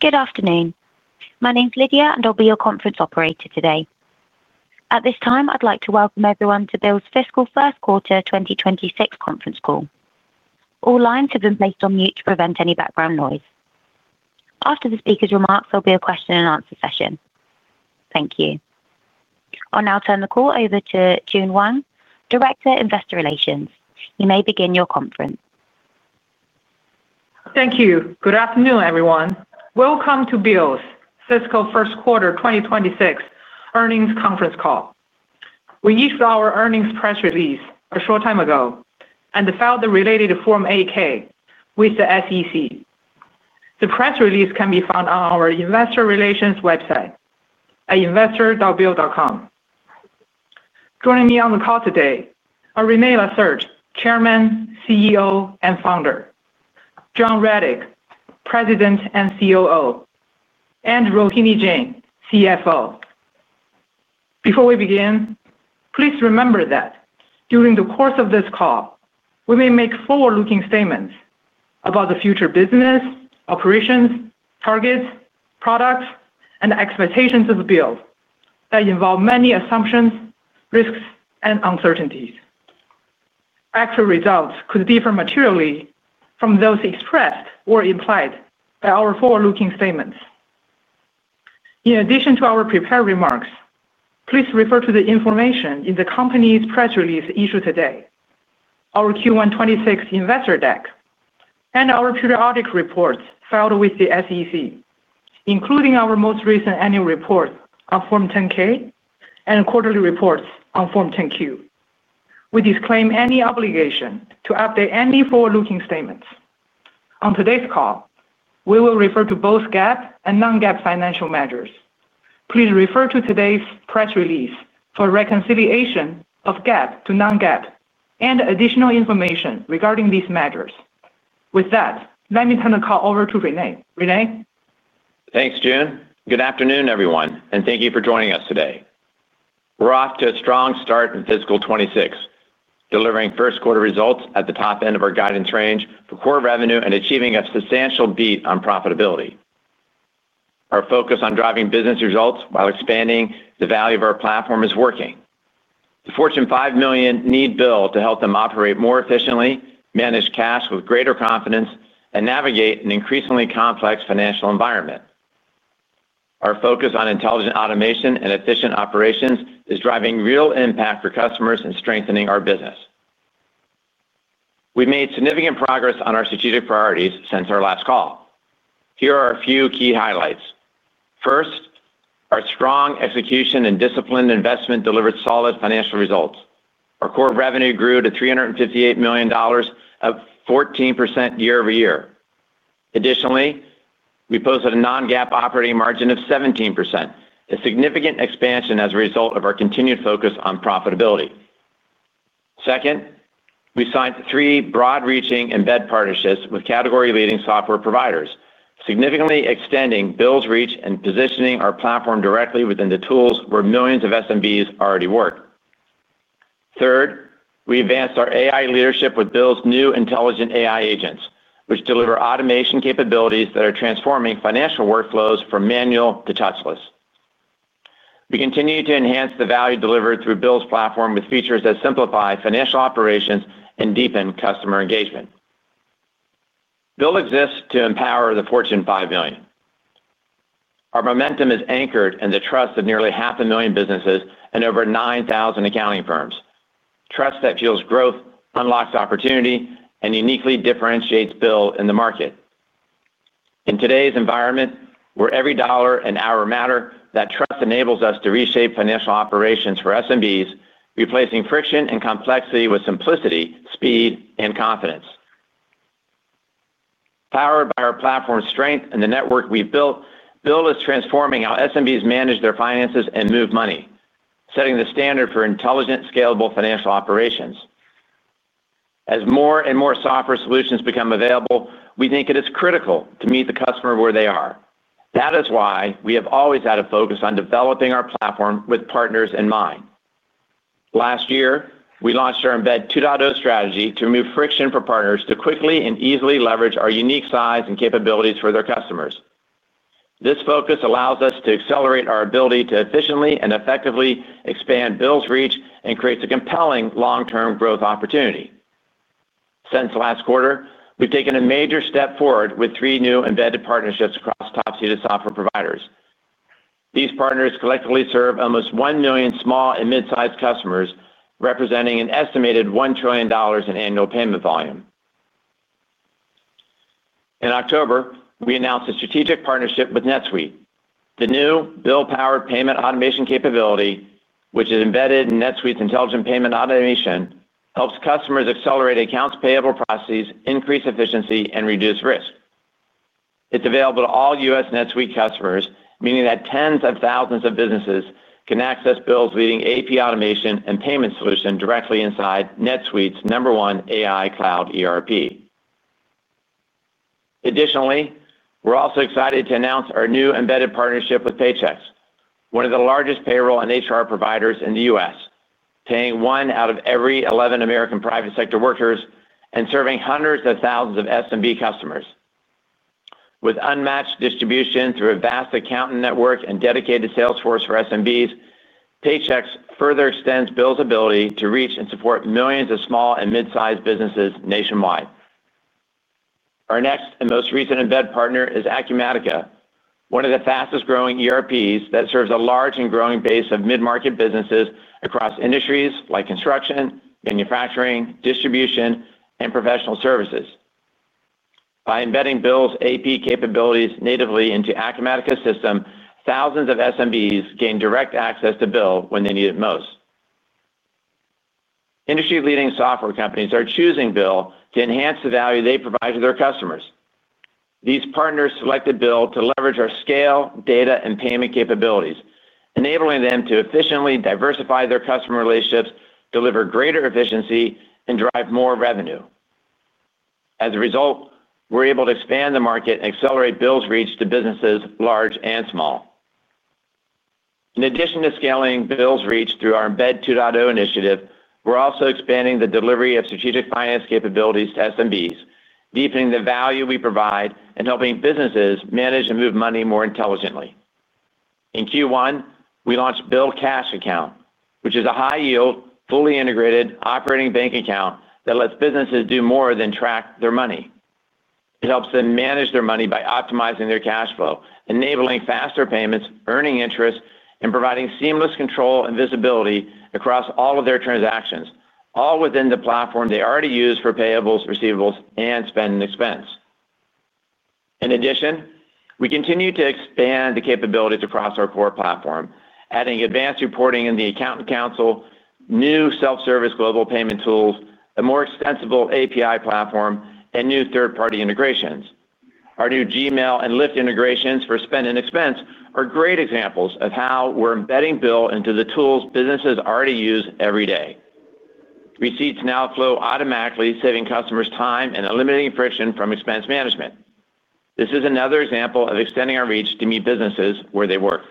Good afternoon. My name's Lydia, and I'll be your conference operator today. At this time, I'd like to welcome everyone to BILL's Fiscal First Quarter 2026 Conference Call. All lines have been placed on mute to prevent any background noise. After the speaker's remarks, there'll be a question-and-answer session. Thank you. I'll now turn the call over to Jun Wang, Director, Investor Relations. You may begin your conference. Thank you. Good afternoon, everyone. Welcome to BILL's Fiscal First Quarter 2026 Earnings Conference Call. We issued our earnings press release a short time ago and filed the related Form 8-K with the SEC. The press release can be found on our Investor Relations website, at investor.bill.com. Joining me on the call today are René Lacerte, Chairman, CEO, and Founder; John Rettig, President and COO; and Rohini Jain, CFO. Before we begin, please remember that during the course of this call, we may make forward-looking statements about the future business, operations, targets, products, and expectations of BILL that involve many assumptions, risks, and uncertainties. Actual results could differ materially from those expressed or implied by our forward-looking statements. In addition to our prepared remarks, please refer to the information in the company's press release issued today, our Q1 2026 investor deck, and our periodic reports filed with the SEC, including our most recent annual report on Form 10-K and quarterly reports on Form 10-Q. We disclaim any obligation to update any forward-looking statements. On today's call, we will refer to both GAAP and non-GAAP financial measures. Please refer to today's press release for reconciliation of GAAP to non-GAAP and additional information regarding these measures. With that, let me turn the call over to René. René? Thanks, Jun. Good afternoon, everyone, and thank you for joining us today. We're off to a strong start in fiscal 2026, delivering first-quarter results at the top end of our guidance range for core revenue and achieving a substantial beat on profitability. Our focus on driving business results while expanding the value of our platform is working. The Fortune 5 million need BILL to help them operate more efficiently, manage cash with greater confidence, and navigate an increasingly complex financial environment. Our focus on intelligent automation and efficient operations is driving real impact for customers and strengthening our business. We've made significant progress on our strategic priorities since our last call. Here are a few key highlights. First. Our strong execution and disciplined investment delivered solid financial results. Our core revenue grew to $358 million at 14% year-over-year. Additionally, we posted a non-GAAP operating margin of 17%, a significant expansion as a result of our continued focus on profitability. Second, we signed three broad-reaching Embed partnerships with category-leading software providers, significantly extending BILL's reach and positioning our platform directly within the tools where millions of SMBs already work. Third, we advanced our AI leadership with BILL's new intelligent AI agents, which deliver automation capabilities that are transforming financial workflows from manual to touchless. We continue to enhance the value delivered through BILL's platform with features that simplify financial operations and deepen customer engagement. BILL exists to empower the Fortune 5 million. Our momentum is anchored in the trust of nearly half a million businesses and over 9,000 accounting firms. Trust that fuels growth, unlocks opportunity, and uniquely differentiates BILL in the market. In today's environment, where every dollar and hour matter, that trust enables us to reshape financial operations for SMBs, replacing friction and complexity with simplicity, speed, and confidence. Powered by our platform's strength and the network we've built, BILL is transforming how SMBs manage their finances and move money, setting the standard for intelligent, scalable financial operations. As more and more software solutions become available, we think it is critical to meet the customer where they are. That is why we have always had a focus on developing our platform with partners in mind. Last year, we launched our Embed 2.0 strategy to remove friction for partners to quickly and easily leverage our unique size and capabilities for their customers. This focus allows us to accelerate our ability to efficiently and effectively expand BILL's reach and creates a compelling long-term growth opportunity. Since last quarter, we've taken a major step forward with three new embedded partnerships across top-seeded software providers. These partners collectively serve almost 1 million small and mid-sized customers, representing an estimated $1 trillion in annual payment volume. In October, we announced a strategic partnership with NetSuite. The new BILL-powered payment automation capability, which is embedded in NetSuite's Intelligent Payment Automation, helps customers accelerate accounts payable processes, increase efficiency, and reduce risk. It's available to all U.S. NetSuite customers, meaning that tens of thousands of businesses can access BILL's leading AP automation and payment solution directly inside NetSuite's number one AI cloud ERP. Additionally, we're also excited to announce our new embedded partnership with Paychex, one of the largest payroll and HR providers in the U.S., paying one out of every 11 American private sector workers and serving hundreds of thousands of SMB customers. With unmatched distribution through a vast accounting network and dedicated sales force for SMBs, Paychex further extends BILL's ability to reach and support millions of small and mid-sized businesses nationwide. Our next and most recent embed partner is Acumatica, one of the fastest-growing ERPs that serves a large and growing base of mid-market businesses across industries like construction, manufacturing, distribution, and professional services. By embedding BILL's AP capabilities natively into Acumatica's system, thousands of SMBs gain direct access to BILL when they need it most. Industry-leading software companies are choosing BILL to enhance the value they provide to their customers. These partners selected BILL to leverage our scale, data, and payment capabilities, enabling them to efficiently diversify their customer relationships, deliver greater efficiency, and drive more revenue. As a result, we're able to expand the market and accelerate BILL's reach to businesses large and small. In addition to scaling BILL's reach through our Embed 2.0 initiative, we're also expanding the delivery of strategic finance capabilities to SMBs, deepening the value we provide, and helping businesses manage and move money more intelligently. In Q1, we launched BILL Cash Account, which is a high-yield, fully integrated operating bank account that lets businesses do more than track their money. It helps them manage their money by optimizing their cash flow, enabling faster payments, earning interest, and providing seamless control and visibility across all of their transactions, all within the platform they already use for payables, receivables, and spend and expense. In addition, we continue to expand the capabilities across our core platform, adding advanced reporting in the accountant console, new self-service global payment tools, a more extensible API platform, and new third-party integrations. Our new Gmail and Lyft integrations for Spend & Expense are great examples of how we're embedding BILL into the tools businesses already use every day. Receipts now flow automatically, saving customers time and eliminating friction from expense management. This is another example of extending our reach to meet businesses where they work.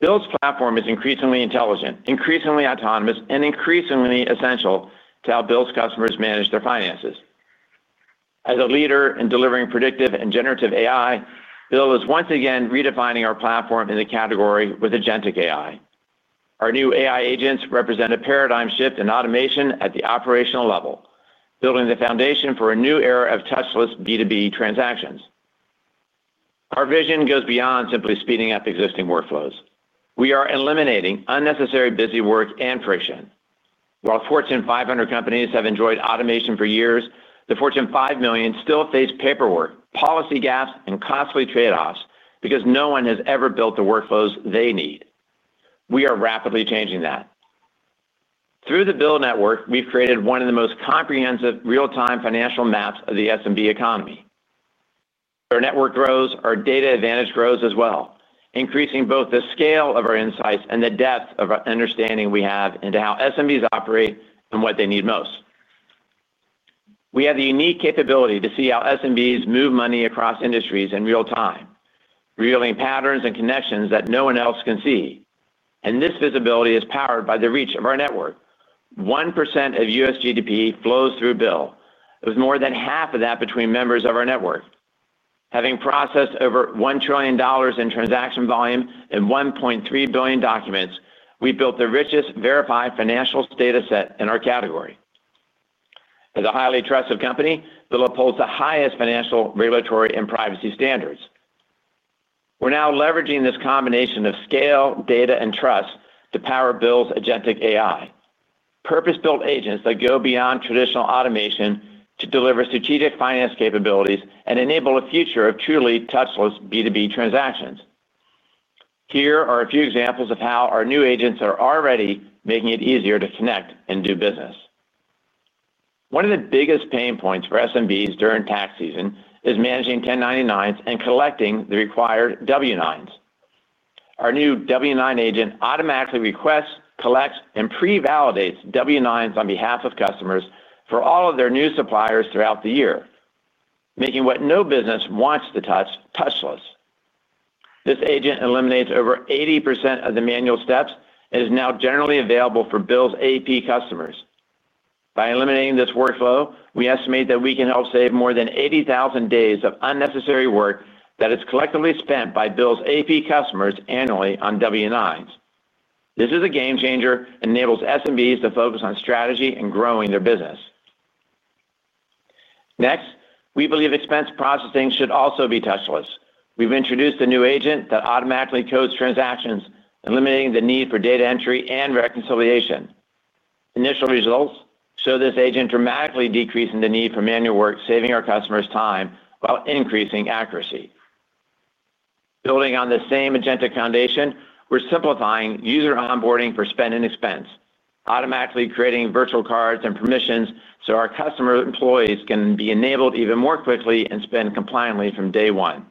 BILL's platform is increasingly intelligent, increasingly autonomous, and increasingly essential to how BILL's customers manage their finances. As a leader in delivering predictive and generative AI, BILL is once again redefining our platform in the category with Agentic AI. Our new AI agents represent a paradigm shift in automation at the operational level, building the foundation for a new era of touchless B2B transactions. Our vision goes beyond simply speeding up existing workflows. We are eliminating unnecessary busy work and friction. While Fortune 500 companies have enjoyed automation for years, the Fortune 5 million still face paperwork, policy gaps, and costly trade-offs because no one has ever built the workflows they need. We are rapidly changing that. Through the BILL network, we've created one of the most comprehensive real-time financial maps of the SMB economy. Our network grows, our data advantage grows as well, increasing both the scale of our insights and the depth of our understanding we have into how SMBs operate and what they need most. We have the unique capability to see how SMBs move money across industries in real time, revealing patterns and connections that no one else can see. This visibility is powered by the reach of our network. 1% of U.S. GDP flows through BILL. It was more than half of that between members of our network. Having processed over $1 trillion in transaction volume and 1.3 billion documents, we built the richest verified financials dataset in our category. As a highly trusted company, BILL upholds the highest financial regulatory and privacy standards. We're now leveraging this combination of scale, data, and trust to power BILL's Agentic AI, purpose-built agents that go beyond traditional automation to deliver strategic finance capabilities and enable a future of truly touchless B2B transactions. Here are a few examples of how our new agents are already making it easier to connect and do business. One of the biggest pain points for SMBs during tax season is managing 1099s and collecting the required W-9s. Our new W-9 agent automatically requests, collects, and pre-validates W-9s on behalf of customers for all of their new suppliers throughout the year, making what no business wants to touch, touchless. This agent eliminates over 80% of the manual steps and is now generally available for BILL's AP customers. By eliminating this workflow, we estimate that we can help save more than 80,000 days of unnecessary work that is collectively spent by BILL's AP customers annually on W-9s. This is a game changer and enables SMBs to focus on strategy and growing their business. Next, we believe expense processing should also be touchless. We've introduced a new agent that automatically codes transactions, eliminating the need for data entry and reconciliation. Initial results show this agent dramatically decreasing the need for manual work, saving our customers time while increasing accuracy. Building on the same agentic foundation, we're simplifying user onboarding for Spend & Expense, automatically creating virtual cards and permissions so our customer employees can be enabled even more quickly and spend compliantly from day one.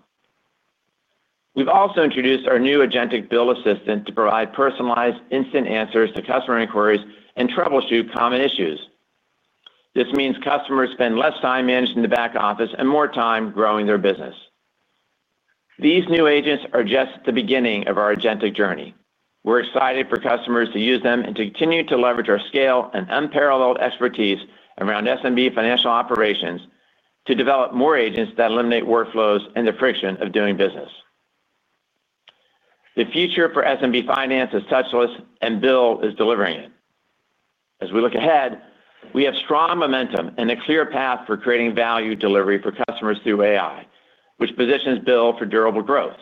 We've also introduced our new Agentic BILL Assistant to provide personalized, instant answers to customer inquiries and troubleshoot common issues. This means customers spend less time managing the back office and more time growing their business. These new agents are just the beginning of our agentic journey. We're excited for customers to use them and to continue to leverage our scale and unparalleled expertise around SMB financial operations to develop more agents that eliminate workflows and the friction of doing business. The future for SMB finance is touchless, and BILL is delivering it. As we look ahead, we have strong momentum and a clear path for creating value delivery for customers through AI, which positions BILL for durable growth.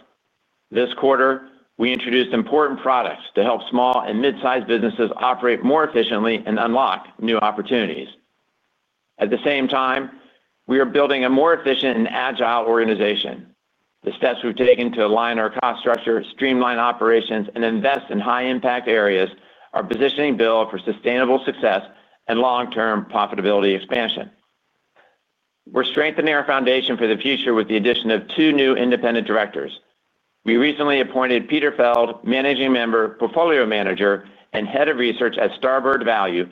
This quarter, we introduced important products to help small and mid-sized businesses operate more efficiently and unlock new opportunities. At the same time, we are building a more efficient and agile organization. The steps we've taken to align our cost structure, streamline operations, and invest in high-impact areas are positioning BILL for sustainable success and long-term profitability expansion. We're strengthening our foundation for the future with the addition of two new independent directors. We recently appointed Peter Feld, Managing Member, Portfolio Manager, and Head of Research at Starboard Value,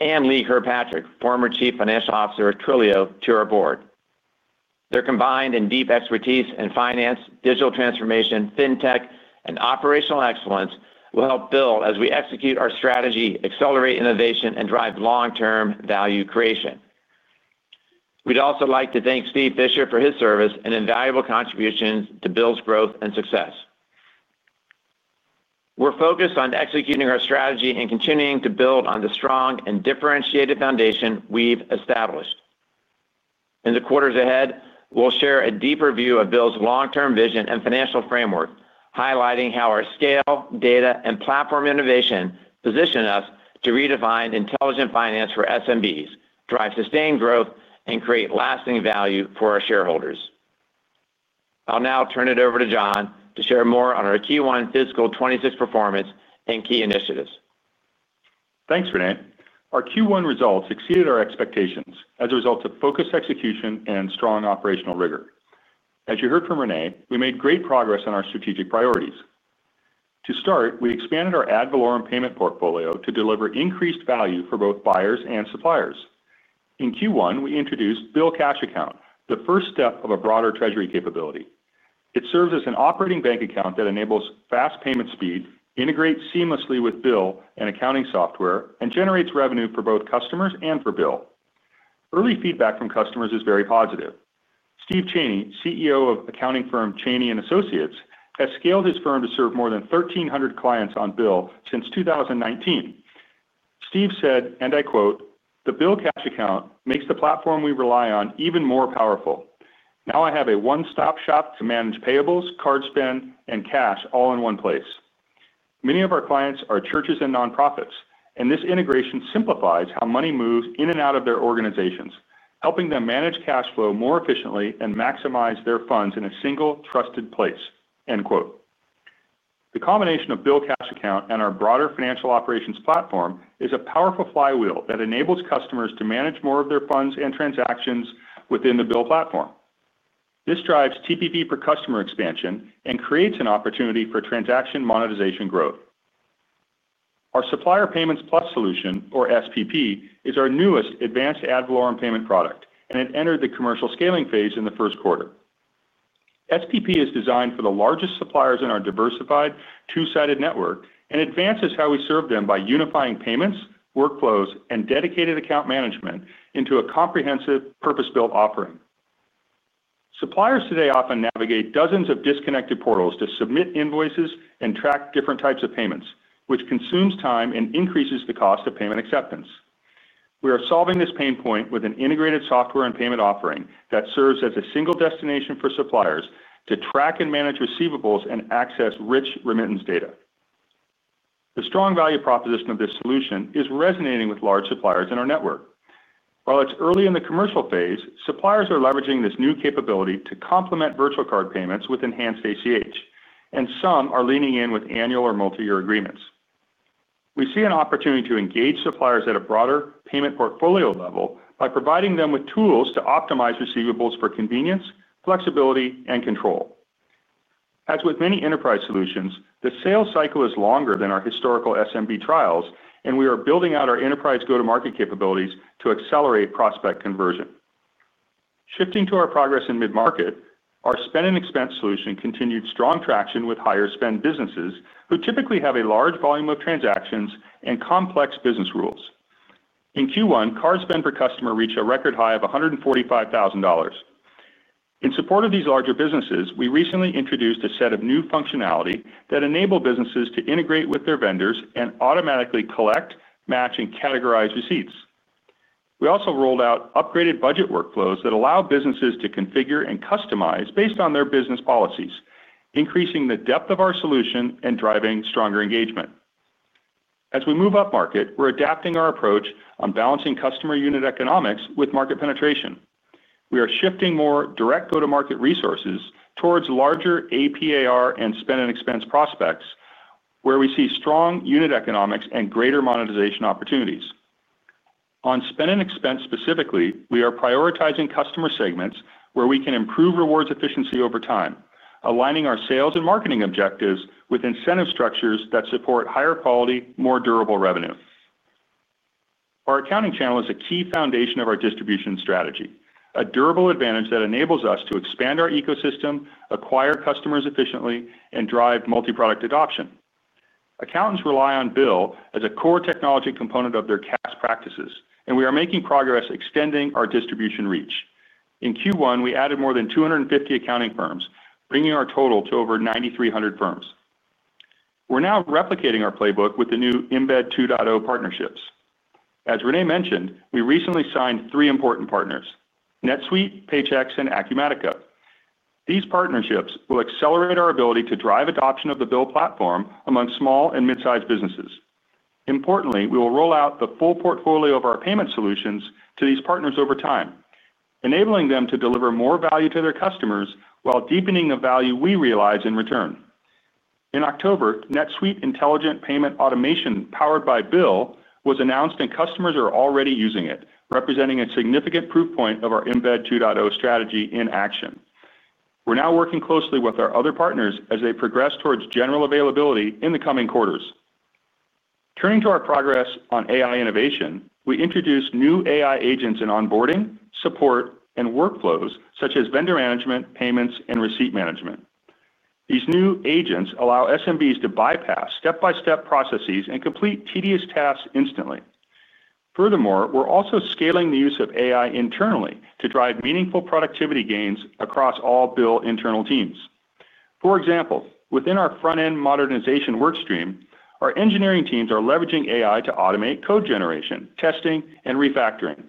and Lee Kirkpatrick, former Chief Financial Officer of Twilio, to our Board. Their combined and deep expertise in finance, digital transformation, fintech, and operational excellence will help BILL as we execute our strategy, accelerate innovation, and drive long-term value creation. We'd also like to thank Steve Fisher for his service and invaluable contributions to BILL's growth and success. We're focused on executing our strategy and continuing to build on the strong and differentiated foundation we've established. In the quarters ahead, we'll share a deeper view of BILL's long-term vision and financial framework, highlighting how our scale, data, and platform innovation position us to redefine intelligent finance for SMBs, drive sustained growth, and create lasting value for our shareholders. I'll now turn it over to John to share more on our Q1 fiscal 2026 performance and key initiatives. Thanks, René. Our Q1 results exceeded our expectations as a result of focused execution and strong operational rigor. As you heard from René, we made great progress on our strategic priorities. To start, we expanded our ad valorem payment portfolio to deliver increased value for both buyers and suppliers. In Q1, we introduced BILL Cash Account, the first step of a broader treasury capability. It serves as an operating bank account that enables fast payment speed, integrates seamlessly with BILL and accounting software, and generates revenue for both customers and for BILL. Early feedback from customers is very positive. Steve Chaney, CEO of accounting firm Chaney & Associates, has scaled his firm to serve more than 1,300 clients on BILL since 2019. Steve said, and I quote, "The BILL Cash Account makes the platform we rely on even more powerful. Now I have a one-stop shop to manage payables, card spend, and cash all in one place. Many of our clients are churches and nonprofits, and this integration simplifies how money moves in and out of their organizations, helping them manage cash flow more efficiently and maximize their funds in a single, trusted place," end quote. The combination of BILL Cash Account and our broader financial operations platform is a powerful flywheel that enables customers to manage more of their funds and transactions within the BILL platform. This drives TPV per customer expansion and creates an opportunity for transaction monetization growth. Our Supplier Payments Plus solution, or SPP, is our newest advanced ad valorem payment product, and it entered the commercial scaling phase in the first quarter. SPP is designed for the largest suppliers in our diversified, two-sided network and advances how we serve them by unifying payments, workflows, and dedicated account management into a comprehensive, purpose-built offering. Suppliers today often navigate dozens of disconnected portals to submit invoices and track different types of payments, which consumes time and increases the cost of payment acceptance. We are solving this pain point with an integrated software and payment offering that serves as a single destination for suppliers to track and manage receivables and access rich remittance data. The strong value proposition of this solution is resonating with large suppliers in our network. While it's early in the commercial phase, suppliers are leveraging this new capability to complement virtual card payments with enhanced ACH, and some are leaning in with annual or multi-year agreements. We see an opportunity to engage suppliers at a broader payment portfolio level by providing them with tools to optimize receivables for convenience, flexibility, and control. As with many enterprise solutions, the sales cycle is longer than our historical SMB trials, and we are building out our enterprise go-to-market capabilities to accelerate prospect conversion. Shifting to our progress in mid-market, our Spend & Expense solution continued strong traction with higher spend businesses who typically have a large volume of transactions and complex business rules. In Q1, card spend per customer reached a record high of $145,000. In support of these larger businesses, we recently introduced a set of new functionality that enables businesses to integrate with their vendors and automatically collect, match, and categorize receipts. We also rolled out upgraded budget workflows that allow businesses to configure and customize based on their business policies, increasing the depth of our solution and driving stronger engagement. As we move up market, we're adapting our approach on balancing customer unit economics with market penetration. We are shifting more direct go-to-market resources towards larger AP/AR and Spend & Expense prospects, where we see strong unit economics and greater monetization opportunities. On Spend & Expense specifically, we are prioritizing customer segments where we can improve rewards efficiency over time, aligning our sales and marketing objectives with incentive structures that support higher quality, more durable revenue. Our accounting channel is a key foundation of our distribution strategy, a durable advantage that enables us to expand our ecosystem, acquire customers efficiently, and drive multi-product adoption. Accountants rely on BILL as a core technology component of their CAS practices, and we are making progress extending our distribution reach. In Q1, we added more than 250 accounting firms, bringing our total to over 9,300 firms. We're now replicating our playbook with the new Embed 2.0 partnerships. As René mentioned, we recently signed three important partners: NetSuite, Paychex, and Acumatica. These partnerships will accelerate our ability to drive adoption of the BILL platform among small and mid-sized businesses. Importantly, we will roll out the full portfolio of our payment solutions to these partners over time, enabling them to deliver more value to their customers while deepening the value we realize in return. In October, NetSuite Intelligent Payment Automation powered by BILL was announced, and customers are already using it, representing a significant proof point of our Embed 2.0 strategy in action. We are now working closely with our other partners as they progress towards general availability in the coming quarters. Turning to our progress on AI innovation, we introduced new AI agents in onboarding, support, and workflows such as vendor management, payments, and receipt management. These new agents allow SMBs to bypass step-by-step processes and complete tedious tasks instantly. Furthermore, we are also scaling the use of AI internally to drive meaningful productivity gains across all BILL internal teams. For example, within our front-end modernization workstream, our engineering teams are leveraging AI to automate code generation, testing, and refactoring.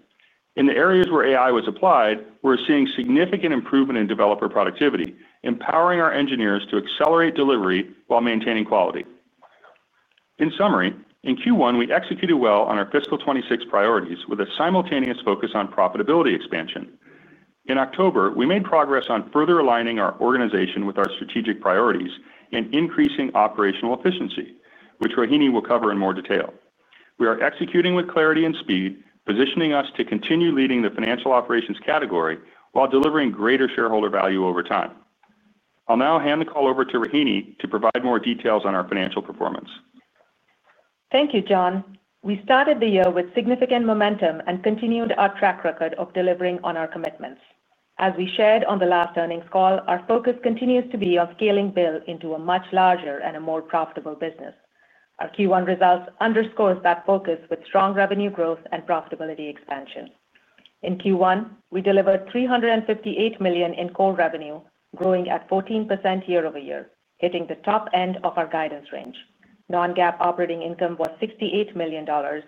In the areas where AI was applied, we're seeing significant improvement in developer productivity, empowering our engineers to accelerate delivery while maintaining quality. In summary, in Q1, we executed well on our fiscal 2026 priorities with a simultaneous focus on profitability expansion. In October, we made progress on further aligning our organization with our strategic priorities and increasing operational efficiency, which Rohini will cover in more detail. We are executing with clarity and speed, positioning us to continue leading the financial operations category while delivering greater shareholder value over time. I'll now hand the call over to Rohini to provide more details on our financial performance. Thank you, John. We started the year with significant momentum and continued our track record of delivering on our commitments. As we shared on the last earnings call, our focus continues to be on scaling BILL into a much larger and a more profitable business. Our Q1 results underscore that focus with strong revenue growth and profitability expansion. In Q1, we delivered $358 million in core revenue, growing at 14% year-over-year, hitting the top end of our guidance range. Non-GAAP operating income was $68 million, $10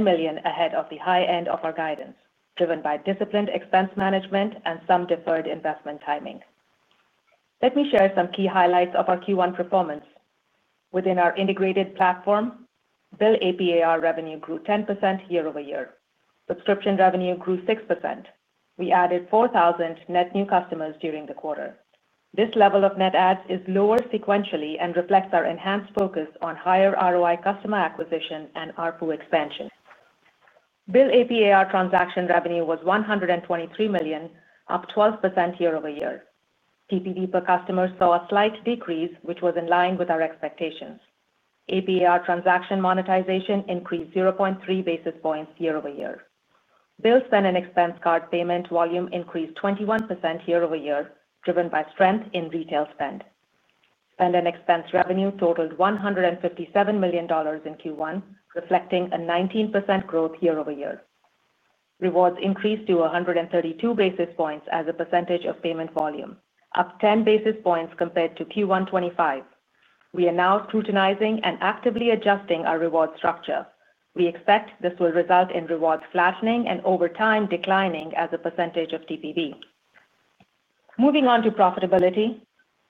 million ahead of the high end of our guidance, driven by disciplined expense management and some deferred investment timing. Let me share some key highlights of our Q1 performance. Within our integrated platform, BILL AP/AR revenue grew 10% year-over-year. Subscription revenue grew 6%. We added 4,000 net new customers during the quarter. This level of net adds is lower sequentially and reflects our enhanced focus on higher ROI customer acquisition and ARPU expansion. BILL AP/AR transaction revenue was $123 million, up 12% year-over-year. TPV per customer saw a slight decrease, which was in line with our expectations. AP/AR transaction monetization increased 0.3 basis points year-over-year. BILL Spend & Expense card payment volume increased 21% year-over-year, driven by strength in retail spend. Spend & Expense revenue totaled $157 million in Q1, reflecting a 19% growth year-over-year. Rewards increased to 132 basis points as a percentage of payment volume, up 10 basis points compared to Q1 2025. We are now scrutinizing and actively adjusting our reward structure. We expect this will result in rewards flattening and over time declining as a percentage of TPV. Moving on to profitability,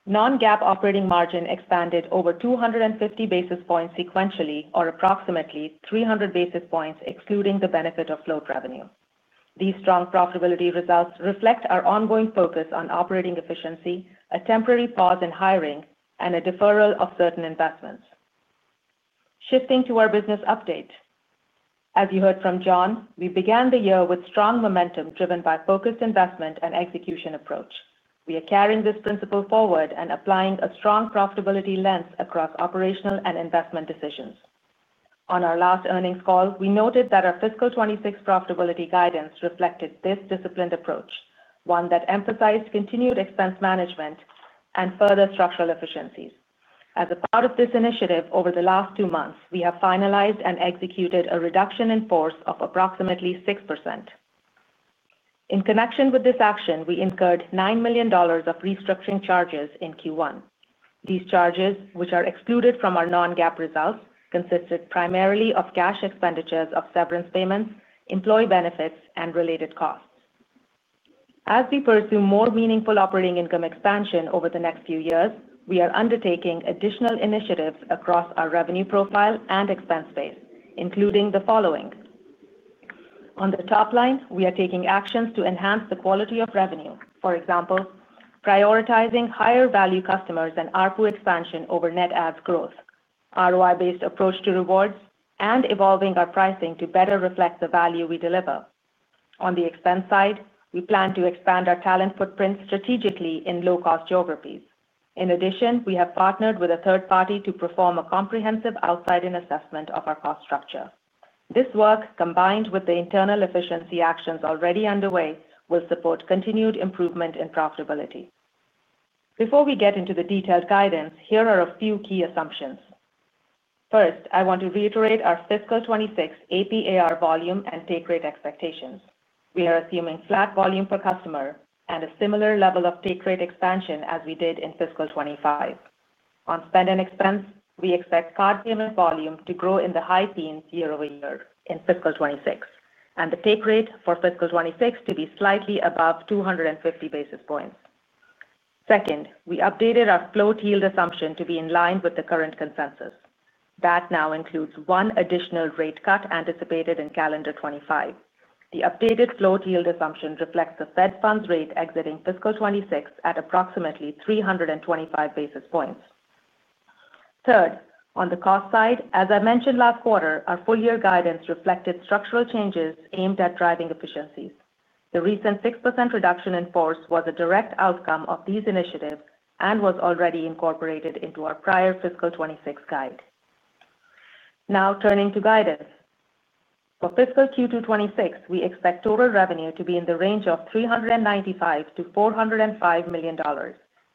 non-GAAP operating margin expanded over 250 basis points sequentially, or approximately 300 basis points excluding the benefit of float revenue. These strong profitability results reflect our ongoing focus on operating efficiency, a temporary pause in hiring, and a deferral of certain investments. Shifting to our business update. As you heard from John, we began the year with strong momentum driven by focused investment and execution approach. We are carrying this principle forward and applying a strong profitability lens across operational and investment decisions. On our last earnings call, we noted that our fiscal 2026 profitability guidance reflected this disciplined approach, one that emphasized continued expense management and further structural efficiencies. As a part of this initiative over the last two months, we have finalized and executed a reduction in force of approximately 6%. In connection with this action, we incurred $9 million of restructuring charges in Q1. These charges, which are excluded from our non-GAAP results, consisted primarily of cash expenditures of severance payments, employee benefits, and related costs. As we pursue more meaningful operating income expansion over the next few years, we are undertaking additional initiatives across our revenue profile and expense base, including the following. On the top line, we are taking actions to enhance the quality of revenue. For example, prioritizing higher-value customers and ARPU expansion over net adds growth, ROI-based approach to rewards, and evolving our pricing to better reflect the value we deliver. On the expense side, we plan to expand our talent footprint strategically in low-cost geographies. In addition, we have partnered with a third party to perform a comprehensive outside-in assessment of our cost structure. This work, combined with the internal efficiency actions already underway, will support continued improvement in profitability. Before we get into the detailed guidance, here are a few key assumptions. First, I want to reiterate our fiscal 2026 AP/AR volume and take rate expectations. We are assuming flat volume per customer and a similar level of take rate expansion as we did in fiscal 2025. On Spend & Expense, we expect card payment volume to grow in the high teens year-over-year in fiscal 2026, and the take rate for fiscal 2026 to be slightly above 250 basis points. Second, we updated our float yield assumption to be in line with the current consensus. That now includes one additional rate cut anticipated in calendar 2025. The updated float yield assumption reflects the Fed Funds rate exiting fiscal 2026 at approximately 325 basis points. Third, on the cost side, as I mentioned last quarter, our full-year guidance reflected structural changes aimed at driving efficiencies. The recent 6% reduction in force was a direct outcome of these initiatives and was already incorporated into our prior fiscal 2026 guide. Now, turning to guidance. For fiscal Q2 2026, we expect total revenue to be in the range of $395 million-$405 million,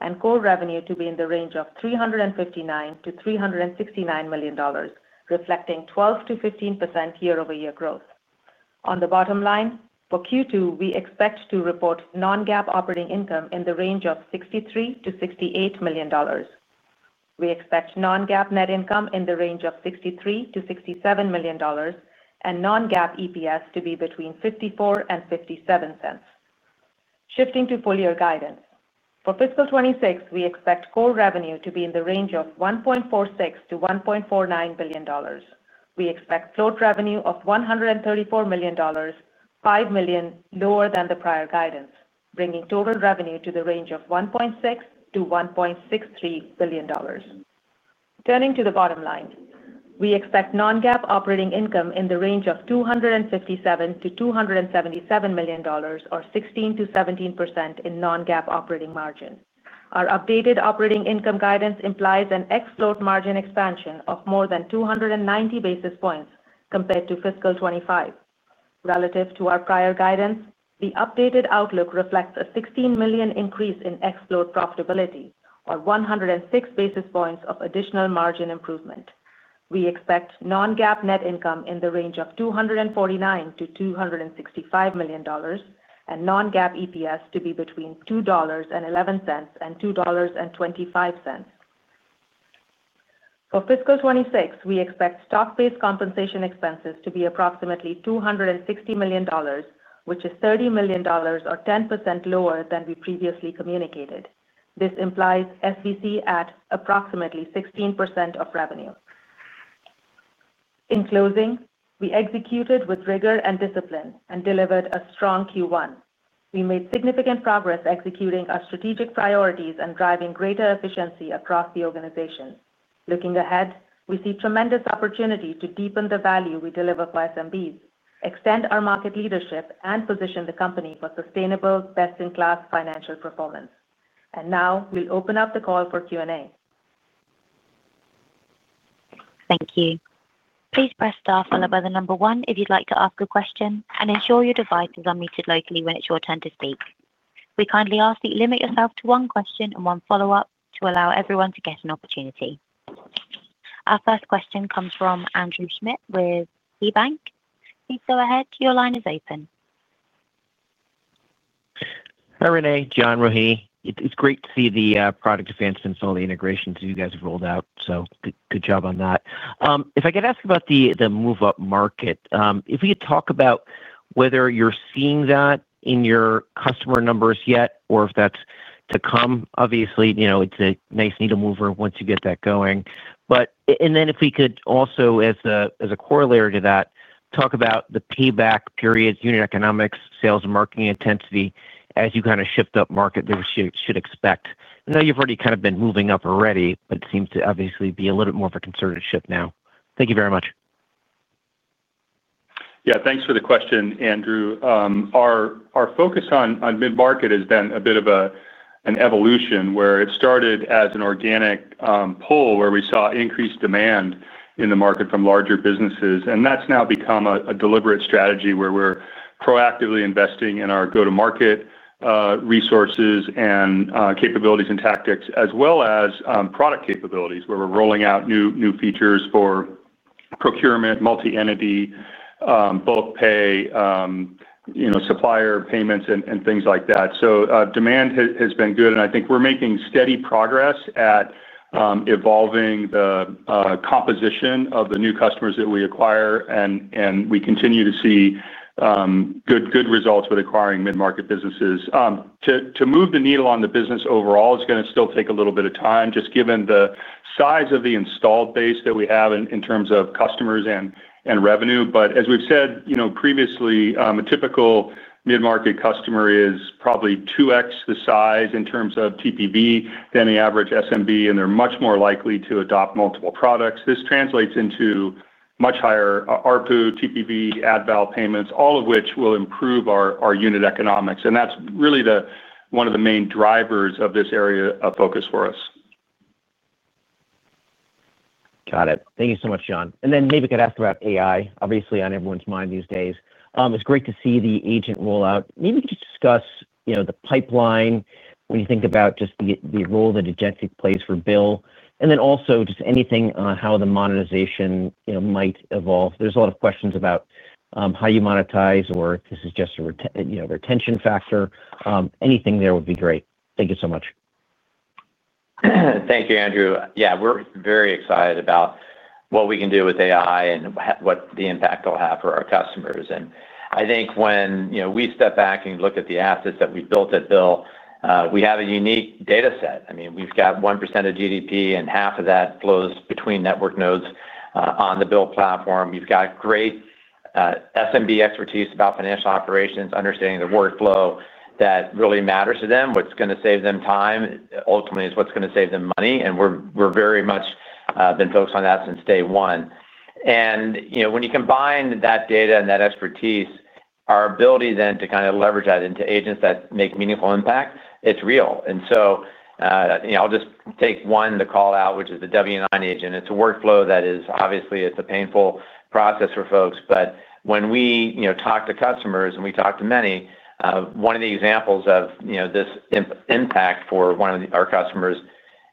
and core revenue to be in the range of $359 million-$369 million, reflecting 12%-15% year-over-year growth. On the bottom line, for Q2, we expect to report non-GAAP operating income in the range of $63 million-$68 million. We expect non-GAAP net income in the range of $63million-$67 million, and non-GAAP EPS to be between $0.54 and $0.57. Shifting to full-year guidance. For fiscal 2026, we expect core revenue to be in the range of $1.46 billion-$1.49 billion. We expect float revenue of $134 million, $5 million lower than the prior guidance, bringing total revenue to the range of $1.6 billion-$1.63 billion. Turning to the bottom line, we expect non-GAAP operating income in the range of $257 million-$277 million, or 16%-17% in non-GAAP operating margin. Our updated operating income guidance implies an ex-float margin expansion of more than 290 basis points compared to fiscal 2025. Relative to our prior guidance, the updated outlook reflects a $16 million increase in ex-float profitability, or 106 basis points of additional margin improvement. We expect non-GAAP net income in the range of $249 million-$265 million, and non-GAAP EPS to be between $2.11 and $2.25. For fiscal 2026, we expect stock-based compensation expenses to be approximately $260 million, which is $30 million, or 10% lower than we previously communicated. This implies SEC at approximately 16% of revenue. In closing, we executed with rigor and discipline and delivered a strong Q1. We made significant progress executing our strategic priorities and driving greater efficiency across the organization. Looking ahead, we see tremendous opportunity to deepen the value we deliver for SMBs, extend our market leadership, and position the company for sustainable, best-in-class financial performance. Now, we'll open up the call for Q&A. Thank you. Please press star followed by the number one if you'd like to ask a question, and ensure your device is unmuted locally when it's your turn to speak. We kindly ask that you limit yourself to one question and one follow-up to allow everyone to get an opportunity. Our first question comes from Andrew Schmidt with KeyBanc. Please go ahead. Your line is open. Hi, René, John, Rohini. It's great to see the product advancements and all the integrations you guys have rolled out. Good job on that. If I could ask about the move-up market, if we could talk about whether you're seeing that in your customer numbers yet or if that's to come. Obviously, it's a nice needle mover once you get that going. If we could also, as a corollary to that, talk about the payback periods, unit economics, sales, and marketing intensity as you kind of shift up market that we should expect. I know you've already kind of been moving up already, but it seems to obviously be a little bit more of a concerted shift now. Thank you very much. Yeah. Thanks for the question, Andrew. Our focus on mid-market has been a bit of an evolution where it started as an organic pull where we saw increased demand in the market from larger businesses. That's now become a deliberate strategy where we're proactively investing in our go-to-market. Resources and capabilities and tactics, as well as product capabilities where we're rolling out new features for procurement, multi-entity, bulk pay, supplier payments, and things like that. Demand has been good. I think we're making steady progress at evolving the composition of the new customers that we acquire. We continue to see good results with acquiring mid-market businesses. To move the needle on the business overall is going to still take a little bit of time, just given the size of the installed base that we have in terms of customers and revenue. As we've said previously, a typical mid-market customer is probably 2x the size in terms of TPV than the average SMB, and they're much more likely to adopt multiple products. This translates into much higher ARPU, TPV, ADVAL payments, all of which will improve our unit economics. That's really one of the main drivers of this area of focus for us. Got it. Thank you so much, John. Maybe I could ask about AI. Obviously, on everyone's mind these days, it's great to see the agent rollout. Maybe just discuss the pipeline when you think about just the role that Agentic plays for BILL, and then also just anything on how the monetization might evolve. There's a lot of questions about how you monetize or if this is just a retention factor. Anything there would be great. Thank you so much. Thank you, Andrew. Yeah, we're very excited about what we can do with AI and what the impact it'll have for our customers. I think when we step back and look at the assets that we've built at BILL, we have a unique data set. I mean, we've got 1% of GDP, and half of that flows between network nodes on the BILL platform. We've got great SMB expertise about financial operations, understanding the workflow that really matters to them, what's going to save them time ultimately is what's going to save them money. We've very much been focused on that since day one. When you combine that data and that expertise, our ability then to kind of leverage that into agents that make meaningful impact, it's real. I'll just take one to call out, which is the W-9 agent. It's a workflow that is obviously a painful process for folks. When we talk to customers and we talk to many, one of the examples of this impact for one of our customers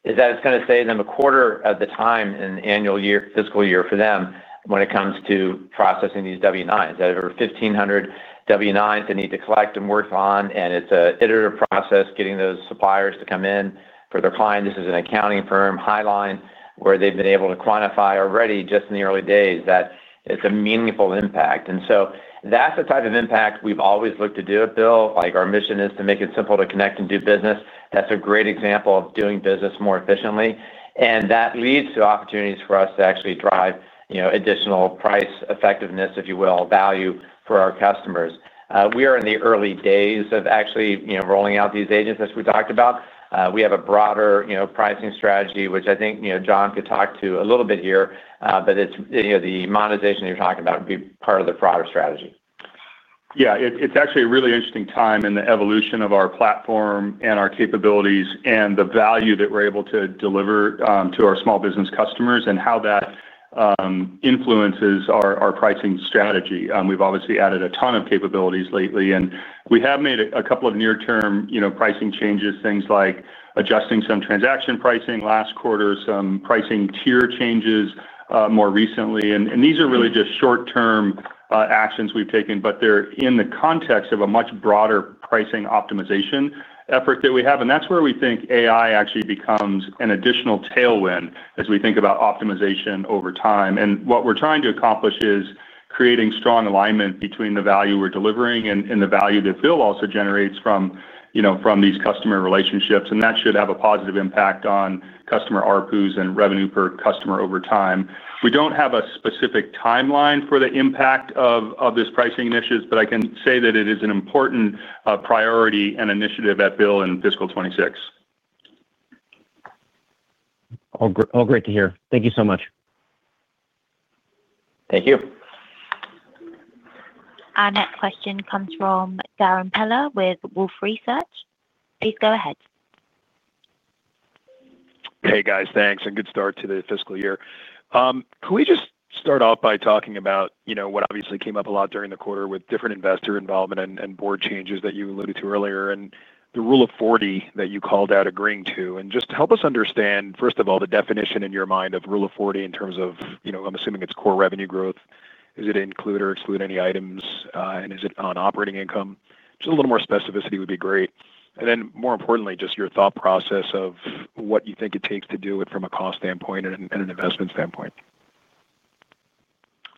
is that it's going to save them 1/4 of the time in annual fiscal year for them when it comes to processing these W-9s. They have over 1,500 W-9s they need to collect and work on. It's an iterative process getting those suppliers to come in for their client. This is an accounting firm Highline where they've been able to quantify already just in the early days that it's a meaningful impact. That's the type of impact we've always looked to do at BILL. Our mission is to make it simple to connect and do business. That's a great example of doing business more efficiently. That leads to opportunities for us to actually drive additional price effectiveness, if you will, value for our customers. We are in the early days of actually rolling out these agents, as we talked about. We have a broader pricing strategy, which I think John could talk to a little bit here, but the monetization you are talking about would be part of the broader strategy. Yeah. It is actually a really interesting time in the evolution of our platform and our capabilities and the value that we are able to deliver to our small business customers and how that influences our pricing strategy. We have obviously added a ton of capabilities lately. We have made a couple of near-term pricing changes, things like adjusting some transaction pricing last quarter, some pricing tier changes more recently. These are really just short-term actions we have taken, but they are in the context of a much broader pricing optimization effort that we have. That is where we think AI actually becomes an additional tailwind as we think about optimization over time. What we are trying to accomplish is creating strong alignment between the value we are delivering and the value that BILL also generates from these customer relationships. That should have a positive impact on customer ARPUs and revenue per customer over time. We do not have a specific timeline for the impact of this pricing initiative, but I can say that it is an important priority and initiative at BILL in fiscal 2026. All great to hear. Thank you so much. Thank you. Our next question comes from Darrin Peller with Wolfe Research. Please go ahead. Hey, guys. Thanks. Good start to the fiscal year. Can we just start off by talking about what obviously came up a lot during the quarter with different investor involvement and Board changes that you alluded to earlier and the Rule of 40 that you called out agreeing to? And just to help us understand, first of all, the definition in your mind of Rule of 40 in terms of, I'm assuming it's core revenue growth. Is it include or exclude any items? And is it on operating income? Just a little more specificity would be great. And then, more importantly, just your thought process of what you think it takes to do it from a cost standpoint and an investment standpoint.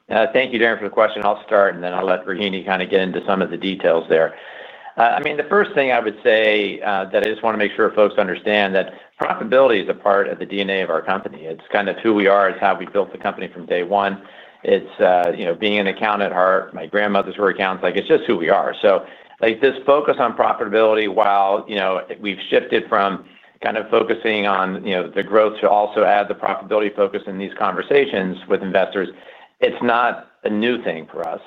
Thank you, Darrin, for the question. I'll start, and then I'll let Rohini kind of get into some of the details there. I mean, the first thing I would say is that I just want to make sure folks understand that profitability is a part of the DNA of our company. It's kind of who we are, it's how we built the company from day one. It's being an accountant at heart. My grandmothers were accountants. It's just who we are. This focus on profitability, while we've shifted from kind of focusing on the growth to also add the profitability focus in these conversations with investors, it's not a new thing for us.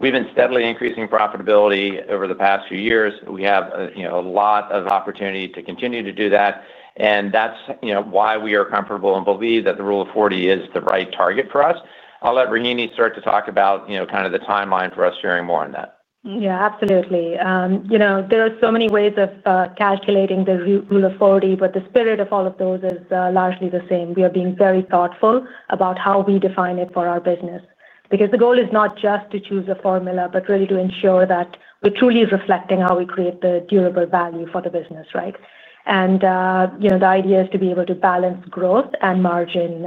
We have been steadily increasing profitability over the past few years. We have a lot of opportunity to continue to do that. That's why we are comfortable and believe that the Rule of 40 is the right target for us. I'll let Rohini start to talk about kind of the timeline for us, sharing more on that. Yeah, absolutely. There are so many ways of calculating the Rule of 40, but the spirit of all of those is largely the same. We are being very thoughtful about how we define it for our business. Because the goal is not just to choose a formula, but really to ensure that we're truly reflecting how we create the durable value for the business, right? The idea is to be able to balance growth and margin.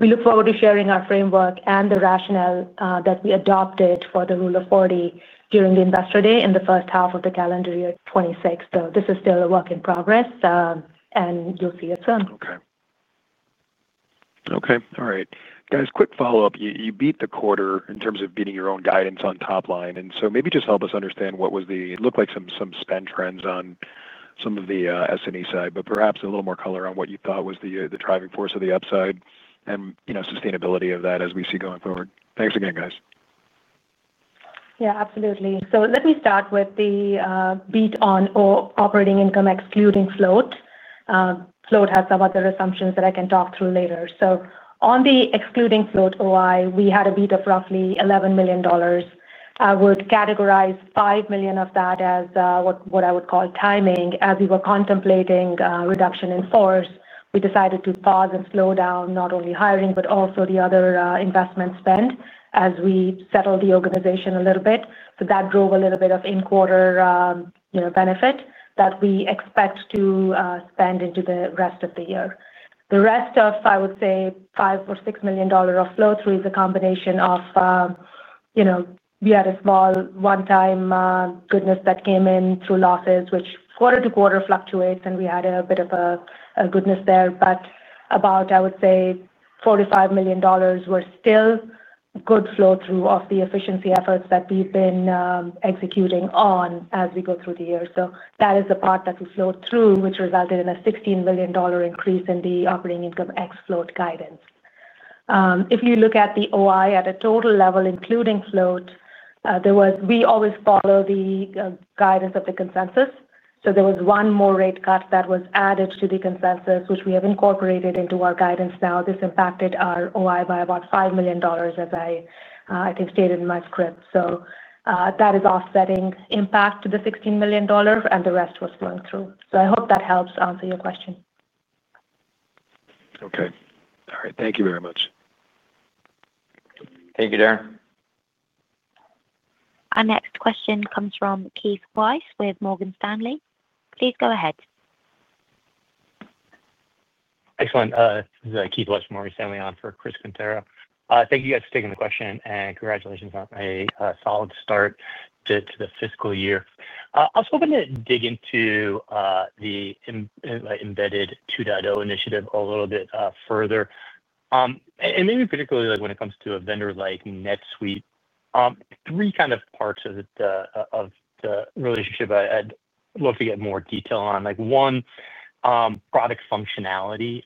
We look forward to sharing our framework and the rationale that we adopted for the Rule of 40 during the Investor Day in the first half of the calendar year 2026. This is still a work in progress. You'll see it soon. Okay. Okay. All right. Guys, quick follow-up. You beat the quarter in terms of beating your own guidance on top line. Maybe just help us understand what looked like some spend trends on some of the SME side, but perhaps a little more color on what you thought was the driving force of the upside and sustainability of that as we see going forward. Thanks again, guys. Yeah, absolutely. Let me start with the beat on operating income excluding float. Float has some other assumptions that I can talk through later. On the excluding float OI, we had a beat of roughly $11 million. I would categorize $5 million of that as what I would call timing. As we were contemplating reduction in force, we decided to pause and slow down not only hiring, but also the other investment spend as we settled the organization a little bit. That drove a little bit of in-quarter. Benefit that we expect to spend into the rest of the year. The rest of, I would say, $5 million or $6 million of float through is a combination of. We had a small one-time goodness that came in through losses, which quarter-to-quarter fluctuates, and we had a bit of a goodness there. But about, I would say, $45 million were still good flow-through of the efficiency efforts that we've been executing on as we go through the year. That is the part that we flowed through, which resulted in a $16 million increase in the operating income ex-float guidance. If you look at the OI at a total level, including float, we always follow the guidance of the consensus. There was one more rate cut that was added to the consensus, which we have incorporated into our guidance now. This impacted our OI by about $5 million, as I think stated in my script. That is offsetting impact to the $16 million, and the rest was flowing through. I hope that helps answer your question. Okay. All right. Thank you very much. Thank you, Darrin. Our next question comes from Keith Weiss with Morgan Stanley. Please go ahead. Excellent. This is Keith Weiss with Morgan Stanley on for Chris Quintero. Thank you guys for taking the question, and congratulations on a solid start to the fiscal year. I was hoping to dig into the Embedded 2.0 initiative a little bit further. Maybe particularly when it comes to a vendor like NetSuite. Three kind of parts of the relationship I'd love to get more detail on. One, product functionality.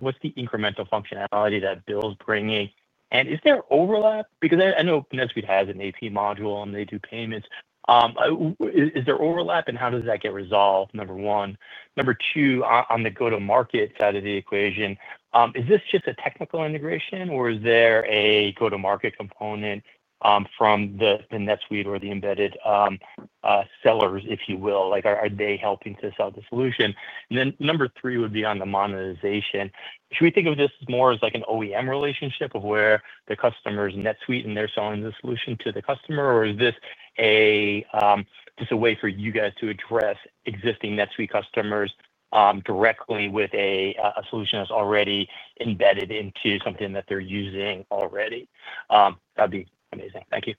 What's the incremental functionality that BILL is bringing? And is there overlap? Because I know NetSuite has an AP module, and they do payments. Is there overlap, and how does that get resolved? Number one. Number two, on the go-to-market side of the equation, is this just a technical integration, or is there a go-to-market component from the NetSuite or the embedded sellers, if you will? Are they helping to sell the solution? Number three would be on the monetization. Should we think of this more as an OEM relationship of where the customer's NetSuite and they're selling the solution to the customer, or is this just a way for you guys to address existing NetSuite customers directly with a solution that's already embedded into something that they're using already? That'd be amazing. Thank you.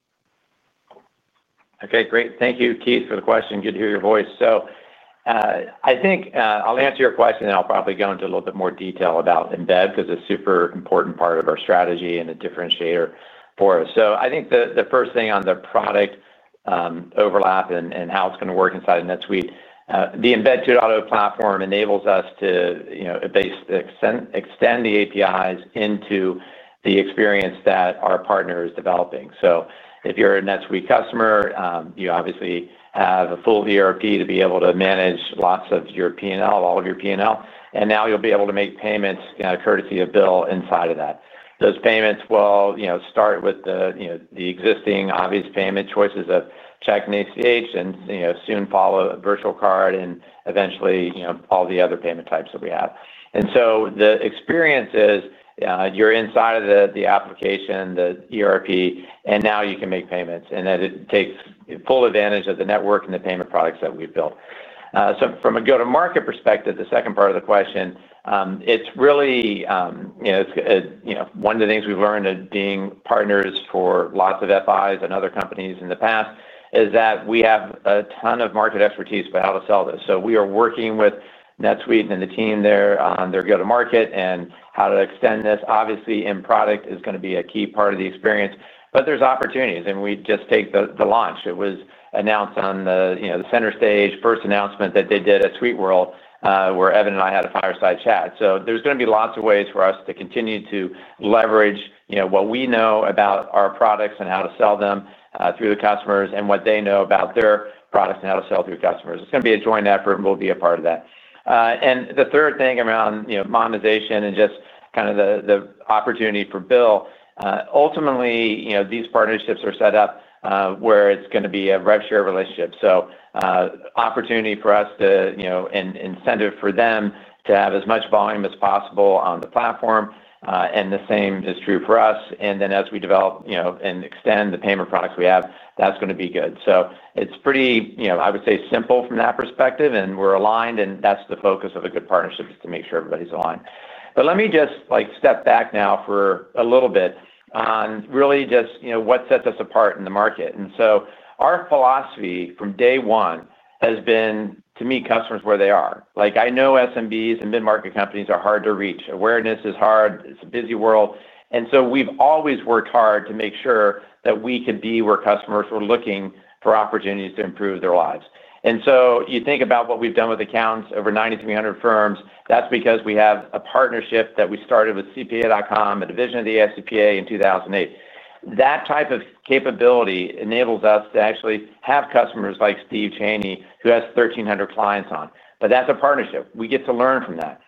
Okay. Great. Thank you, Keith, for the question. Good to hear your voice. So. I think I'll answer your question, and I'll probably go into a little bit more detail about Embed because it's a super important part of our strategy and a differentiator for us. I think the first thing on the product overlap and how it's going to work inside of NetSuite, the Embed 2.0 platform enables us to extend the APIs into the experience that our partner is developing. If you're a NetSuite customer, you obviously have a full ERP to be able to manage lots of your P&L, all of your P&L, and now you'll be able to make payments courtesy of BILL inside of that. Those payments will start with the existing obvious payment choices of check and ACH and soon follow virtual card and eventually all the other payment types that we have. The experience is you're inside of the application, the ERP, and now you can make payments. It takes full advantage of the network and the payment products that we've built. From a go-to-market perspective, the second part of the question, it's really one of the things we've learned of being partners for lots of FIs and other companies in the past is that we have a ton of market expertise about how to sell this. We are working with NetSuite and the team there on their go-to-market and how to extend this. Obviously, in product, it's going to be a key part of the experience. There are opportunities, and we just take the launch. It was announced on the center stage, first announcement that they did at SuiteWorld where Evan and I had a fireside chat. There are going to be lots of ways for us to continue to leverage what we know about our products and how to sell them through the customers and what they know about their products and how to sell through customers. It is going to be a joint effort, and we will be a part of that. The third thing around monetization and just kind of the opportunity for BILL, ultimately, these partnerships are set up where it is going to be a rev share relationship. Opportunity for us to, incentive for them to have as much volume as possible on the platform. The same is true for us. As we develop and extend the payment products we have, that is going to be good. It is pretty, I would say, simple from that perspective, and we are aligned. That is the focus of a good partnership, to make sure everybody's aligned. Let me just step back now for a little bit on really just what sets us apart in the market. Our philosophy from day one has been to meet customers where they are. I know SMBs and mid-market companies are hard to reach. Awareness is hard. It's a busy world. We have always worked hard to make sure that we can be where customers are looking for opportunities to improve their lives. You think about what we have done with accounts, over 9,300 firms. That is because we have a partnership that we started with CPA.com, a division of the AICPA, in 2008. That type of capability enables us to actually have customers like Steve Chaney, who has 1,300 clients on. That is a partnership. We get to learn from that.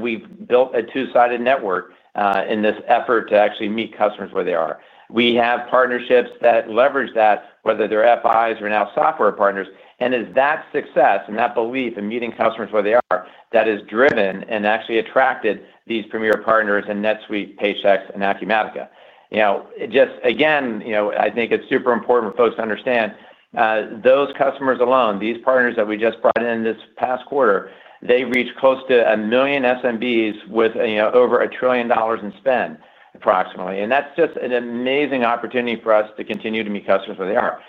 We've built a two-sided network in this effort to actually meet customers where they are. We have partnerships that leverage that, whether they're FIs or now software partners. It's that success and that belief in meeting customers where they are that has driven and actually attracted these premier partners and NetSuite, Paychex, and Acumatica. Again, I think it's super important for folks to understand. Those customers alone, these partners that we just brought in this past quarter, they reached close to a million SMBs with over $1 trillion in spend, approximately. That's just an amazing opportunity for us to continue to meet customers where they are.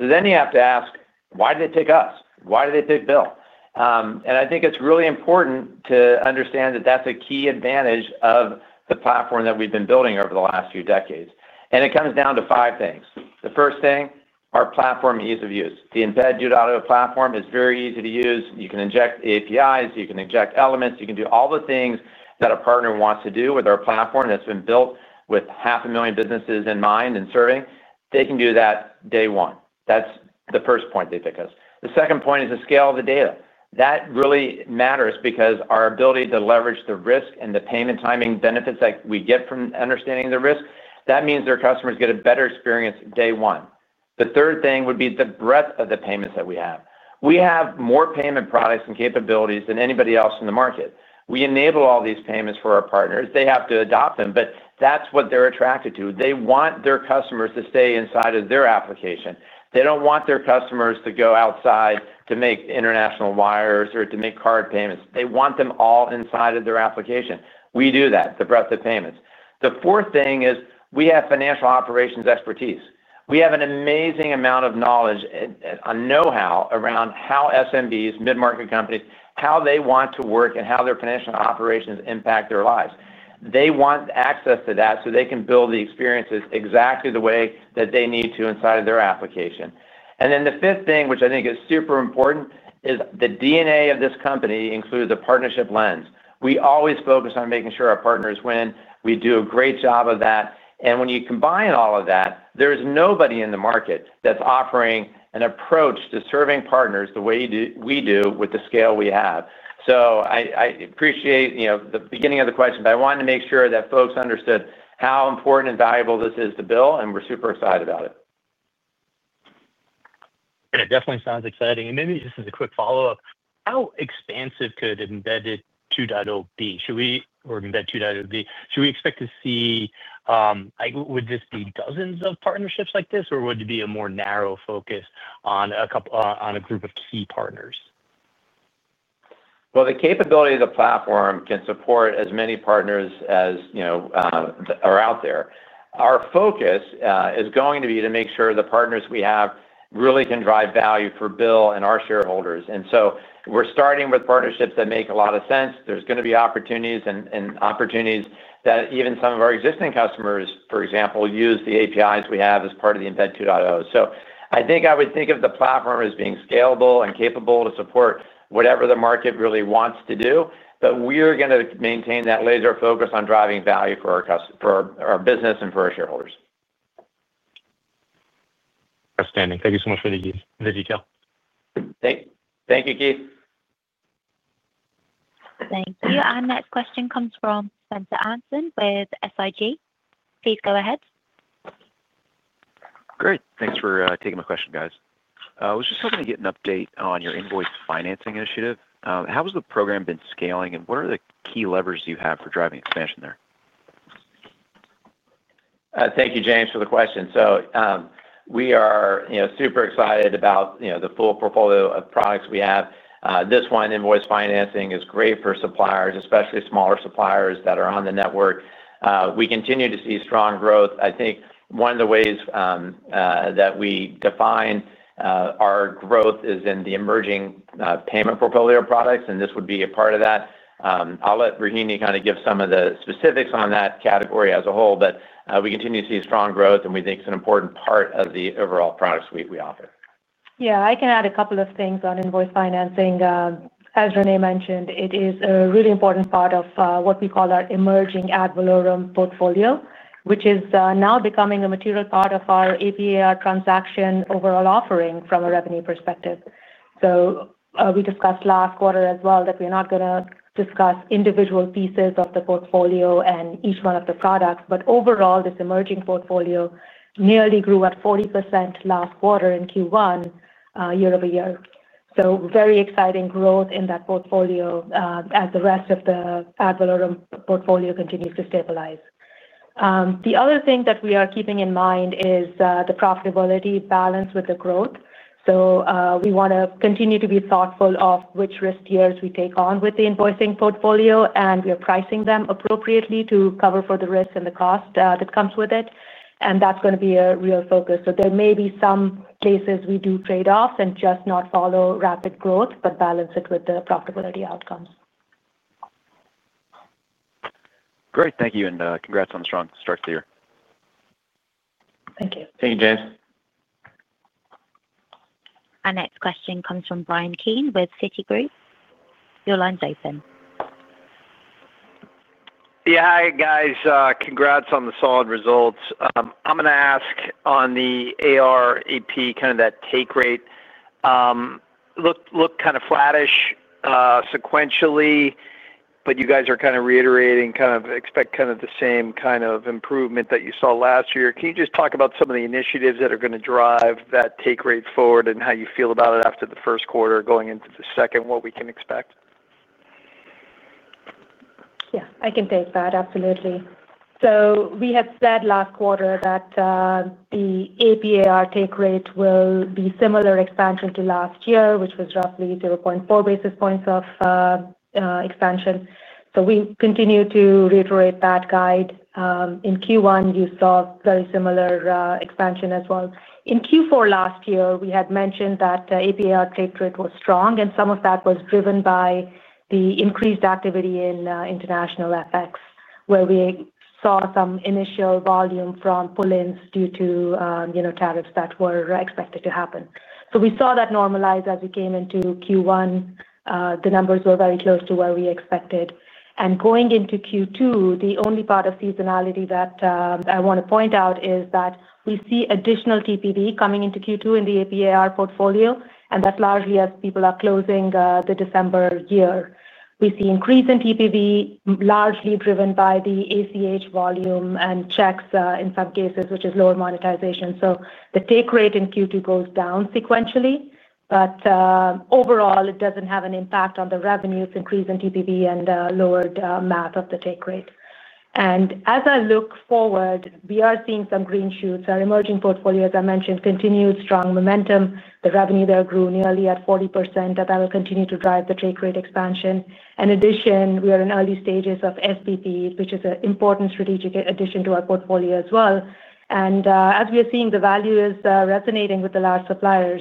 You have to ask, why did they pick us? Why did they pick BILL? I think it's really important to understand that that's a key advantage of the platform that we've been building over the last few decades. It comes down to five things. The first thing, our platform ease of use. The Embed 2.0 platform is very easy to use. You can inject APIs. You can inject elements. You can do all the things that a partner wants to do with our platform that's been built with 500,000 businesses in mind and serving. They can do that day one. That's the first point they pick us. The second point is the scale of the data. That really matters because our ability to leverage the risk and the payment timing benefits that we get from understanding the risk, that means their customers get a better experience day one. The third thing would be the breadth of the payments that we have. We have more payment products and capabilities than anybody else in the market. We enable all these payments for our partners. They have to adopt them, but that's what they're attracted to. They want their customers to stay inside of their application. They don't want their customers to go outside to make international wires or to make card payments. They want them all inside of their application. We do that, the breadth of payments. The fourth thing is we have financial operations expertise. We have an amazing amount of knowledge and know-how around how SMBs, mid-market companies, how they want to work, and how their financial operations impact their lives. They want access to that so they can build the experiences exactly the way that they need to inside of their application. The fifth thing, which I think is super important, is the DNA of this company includes a partnership lens. We always focus on making sure our partners win. We do a great job of that. When you combine all of that, there is nobody in the market that's offering an approach to serving partners the way we do with the scale we have. I appreciate the beginning of the question, but I wanted to make sure that folks understood how important and valuable this is to BILL, and we're super excited about it. It definitely sounds exciting. Maybe just as a quick follow-up, how expansive could Embed 2.0 be? Should we expect to see, would this be dozens of partnerships like this, or would it be a more narrow focus on a group of key partners? The capability of the platform can support as many partners as are out there. Our focus is going to be to make sure the partners we have really can drive value for BILL and our shareholders. We are starting with partnerships that make a lot of sense. There are going to be opportunities and opportunities that even some of our existing customers, for example, use the APIs we have as part of the Embed 2.0. I think I would think of the platform as being scalable and capable to support whatever the market really wants to do. We are going to maintain that laser focus on driving value for our business and for our shareholders. Outstanding. Thank you so much for the detail. Thank you, Keith. Thank you. Our next question comes from Spencer Anson with SIG. Please go ahead. Great. Thanks for taking my question, guys. I was just hoping to get an update on your invoice financing initiative. How has the program been scaling, and what are the key levers you have for driving expansion there? Thank you, James, for the question. We are super excited about the full portfolio of products we have. This one, invoice financing, is great for suppliers, especially smaller suppliers that are on the network. We continue to see strong growth. I think one of the ways that we define our growth is in the emerging payment portfolio products, and this would be a part of that. I'll let Rohini kind of give some of the specifics on that category as a whole, but we continue to see strong growth, and we think it's an important part of the overall product suite we offer. Yeah. I can add a couple of things on invoice financing. As René mentioned, it is a really important part of what we call our emerging ad valorem portfolio, which is now becoming a material part of our AP/AR transaction overall offering from a revenue perspective. We discussed last quarter as well that we're not going to discuss individual pieces of the portfolio and each one of the products, but overall, this emerging portfolio nearly grew at 40% last quarter in Q1 year-over-year. Very exciting growth in that portfolio as the rest of the ad valorem portfolio continues to stabilize. The other thing that we are keeping in mind is the profitability balance with the growth. We want to continue to be thoughtful of which risk tiers we take on with the invoicing portfolio, and we are pricing them appropriately to cover for the risk and the cost that comes with it. That's going to be a real focus. There may be some places we do trade-offs and just not follow rapid growth, but balance it with the profitability outcomes. Great. Thank you. And congrats on a strong start to the year. Thank you. Thank you, James. Our next question comes from Bryan Keane with Citigroup. Your line's open. Yeah. Hi, guys. Congrats on the solid results. I'm going to ask on the AR/AP, kind of that take rate. Look kind of flattish sequentially, but you guys are kind of reiterating, kind of expect kind of the same kind of improvement that you saw last year. Can you just talk about some of the initiatives that are going to drive that take rate forward and how you feel about it after the first quarter going into the second, what we can expect? Yeah. I can take that. Absolutely. We had said last quarter that the AP/AR take rate will be similar expansion to last year, which was roughly 0.4 basis points of expansion. We continue to reiterate that guide. In Q1, you saw very similar expansion as well. In Q4 last year, we had mentioned that the AP/AR take rate was strong, and some of that was driven by the increased activity in international FX, where we saw some initial volume from pull-ins due to tariffs that were expected to happen. We saw that normalize as we came into Q1. The numbers were very close to where we expected. Going into Q2, the only part of seasonality that I want to point out is that we see additional TPV coming into Q2 in the AP/AR portfolio, and that is largely as people are closing the December year. We see increase in TPV, largely driven by the ACH volume and checks in some cases, which is lower monetization. The take rate in Q2 goes down sequentially, but overall, it does not have an impact on the revenue. It is increase in TPV and lowered math of the take rate. As I look forward, we are seeing some green shoots. Our emerging portfolio, as I mentioned, continues strong momentum. The revenue there grew nearly at 40%, and that will continue to drive the take rate expansion. In addition, we are in early stages of SPP, which is an important strategic addition to our portfolio as well. As we are seeing, the value is resonating with the large suppliers.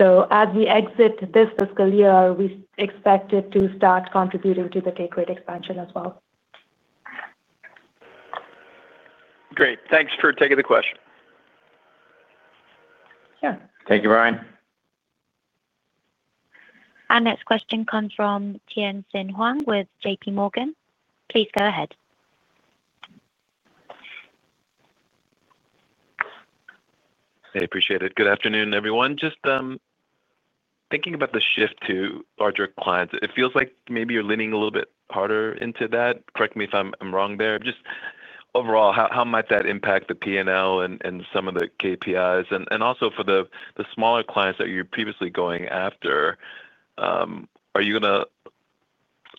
As we exit this fiscal year, we expect it to start contributing to the take rate expansion as well. Great. Thanks for taking the question. Yeah. Thank you, Bryan. Our next question comes from Tien-Tsin Huang with JPMorgan. Please go ahead. Hey, appreciate it. Good afternoon, everyone. Just thinking about the shift to larger clients, it feels like maybe you're leaning a little bit harder into that. Correct me if I'm wrong there. Just overall, how might that impact the P&L and some of the KPIs? And also for the smaller clients that you were previously going after, are you going to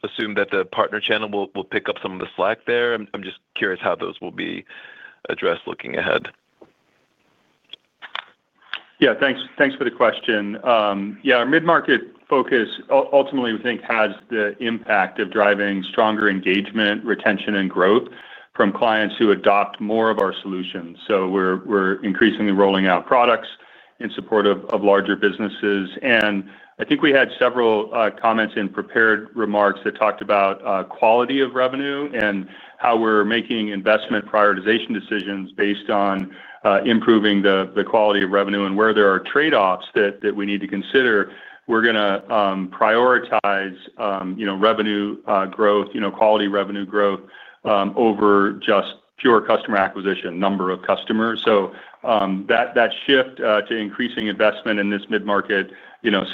assume that the partner channel will pick up some of the slack there? I'm just curious how those will be addressed looking ahead. Yeah, thanks for the question. Yeah, our mid-market focus, ultimately, we think has the impact of driving stronger engagement, retention, and growth from clients who adopt more of our solutions. So we're increasingly rolling out products in support of larger businesses. I think we had several comments in prepared remarks that talked about quality of revenue and how we're making investment prioritization decisions based on improving the quality of revenue. Where there are trade-offs that we need to consider, we're going to prioritize revenue growth, quality revenue growth over just pure customer acquisition, number of customers. That shift to increasing investment in this mid-market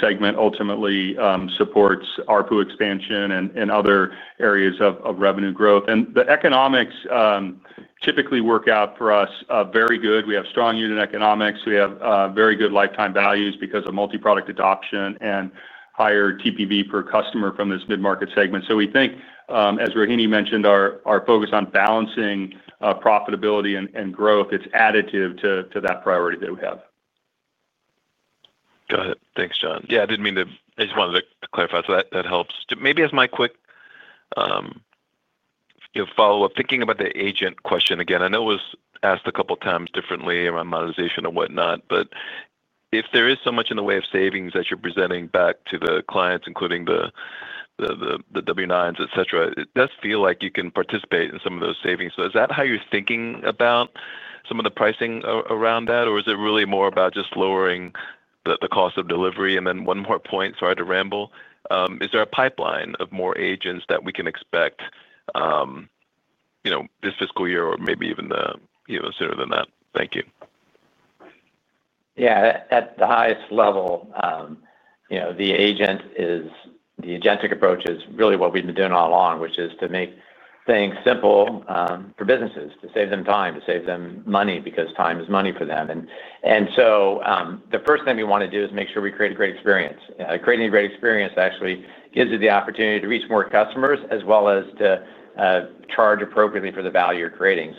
segment ultimately supports ARPU expansion and other areas of revenue growth. The economics typically work out for us very good. We have strong unit economics. We have very good lifetime values because of multi-product adoption and higher TPV per customer from this mid-market segment. We think, as Rohini mentioned, our focus on balancing profitability and growth, it's additive to that priority that we have. Got it. Thanks, John. Yeah. I didn't mean to—I just wanted to clarify. That helps. Maybe as my quick follow-up, thinking about the agent question again, I know it was asked a couple of times differently around monetization and whatnot, but if there is so much in the way of savings that you're presenting back to the clients, including the W-9s, etc., it does feel like you can participate in some of those savings. So is that how you're thinking about some of the pricing around that, or is it really more about just lowering the cost of delivery? And then one more point, sorry to ramble, is there a pipeline of more agents that we can expect this fiscal year or maybe even sooner than that? Thank you. Yeah. At the highest level. The agentic. Approach is really what we've been doing all along, which is to make things simple for businesses, to save them time, to save them money because time is money for them. The first thing we want to do is make sure we create a great experience. Creating a great experience actually gives you the opportunity to reach more customers as well as to charge appropriately for the value you're creating.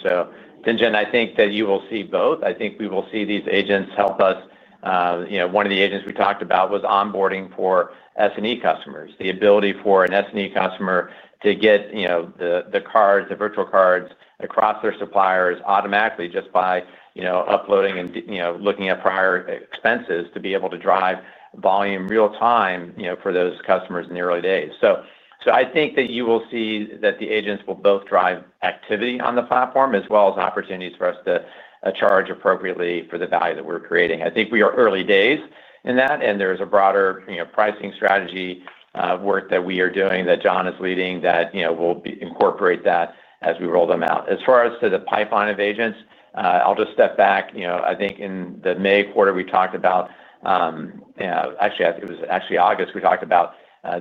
Tien-Tsin, I think that you will see both. I think we will see these agents help us. One of the agents we talked about was onboarding for SME customers, the ability for an SME customer to get the cards, the virtual cards across their suppliers automatically just by uploading and looking at prior expenses to be able to drive volume real-time for those customers in the early days. I think that you will see that the agents will both drive activity on the platform as well as opportunities for us to charge appropriately for the value that we're creating. I think we are early days in that, and there's a broader pricing strategy work that we are doing that John is leading that will incorporate that as we roll them out. As far as to the pipeline of agents, I'll just step back. I think in the May quarter, we talked about—actually, it was actually August we talked about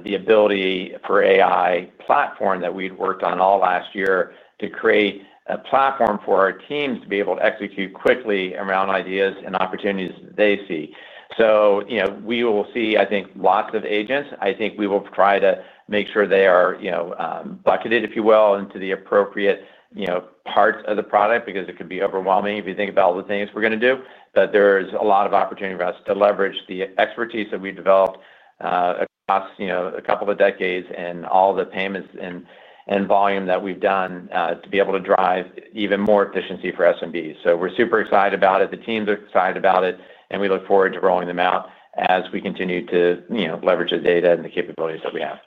the ability for AI platform that we'd worked on all last year to create a platform for our teams to be able to execute quickly around ideas and opportunities they see. We will see, I think, lots of agents. I think we will try to make sure they are bucketed, if you will, into the appropriate. Parts of the product because it could be overwhelming if you think about all the things we're going to do. But there's a lot of opportunity for us to leverage the expertise that we've developed across a couple of decades and all the payments and volume that we've done to be able to drive even more efficiency for SMBs. So we're super excited about it. The teams are excited about it, and we look forward to rolling them out as we continue to leverage the data and the capabilities that we have.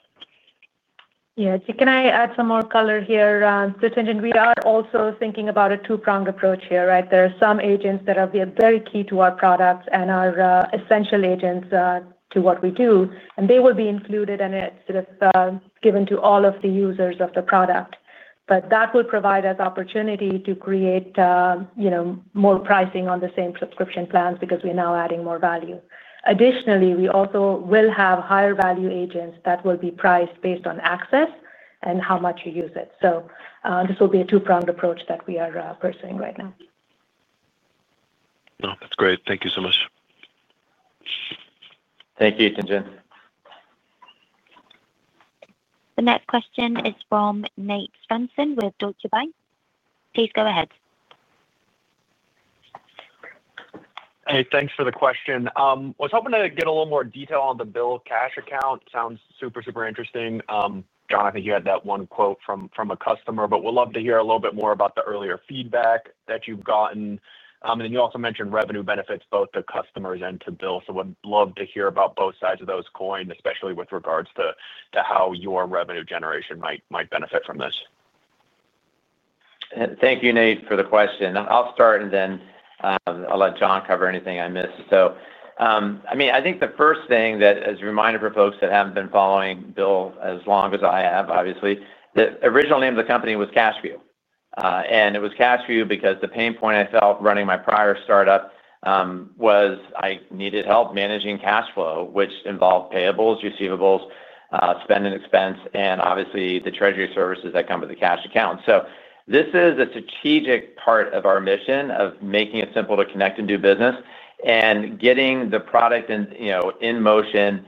Yeah. Can I add some more color here? So, Tien-Tsin, we are also thinking about a two-pronged approach here, right? There are some agents that are very key to our products and are essential agents to what we do, and they will be included and sort of given to all of the users of the product. That will provide us opportunity to create more pricing on the same subscription plans because we're now adding more value. Additionally, we also will have higher-value agents that will be priced based on access and how much you use it. This will be a two-pronged approach that we are pursuing right now. No, that's great. Thank you so much. Thank you, Tien-Tsin. The next question is from Nate Svensson with Deutsche Bank. Please go ahead. Hey, thanks for the question. I was hoping to get a little more detail on the BILL Cash Account. Sounds super, super interesting. John, I think you had that one quote from a customer, but we'd love to hear a little bit more about the earlier feedback that you've gotten. You also mentioned revenue benefits both to customers and to BILL. We'd love to hear about both sides of those coins, especially with regards to how your revenue generation might benefit from this. Thank you, Nate, for the question. I'll start, and then I'll let John cover anything I miss. I mean, I think the first thing that, as a reminder for folks that haven't been following BILL as long as I have, obviously, the original name of the company was Cash View. It was Cash View because the pain point I felt running my prior start-up was I needed help managing cash flow, which involved payables, receivables, spend and expense, and obviously the treasury services that come with the cash account. This is a strategic part of our mission of making it simple to connect and do business and getting the product in motion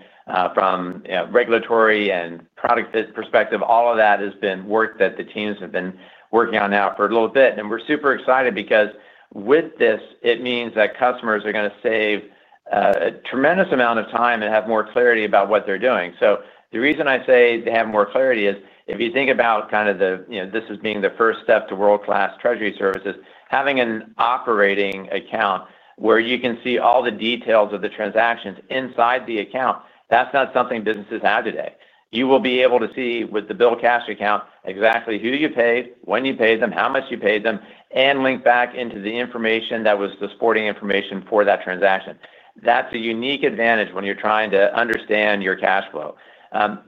from a regulatory and product-fit perspective. All of that has been work that the teams have been working on now for a little bit. We're super excited because with this, it means that customers are going to save a tremendous amount of time and have more clarity about what they're doing. The reason I say they have more clarity is if you think about kind of this as being the first step to world-class treasury services, having an operating account where you can see all the details of the transactions inside the account, that's not something businesses have today. You will be able to see with the BILL Cash Account exactly who you paid, when you paid them, how much you paid them, and link back into the information that was the supporting information for that transaction. That's a unique advantage when you're trying to understand your cash flow.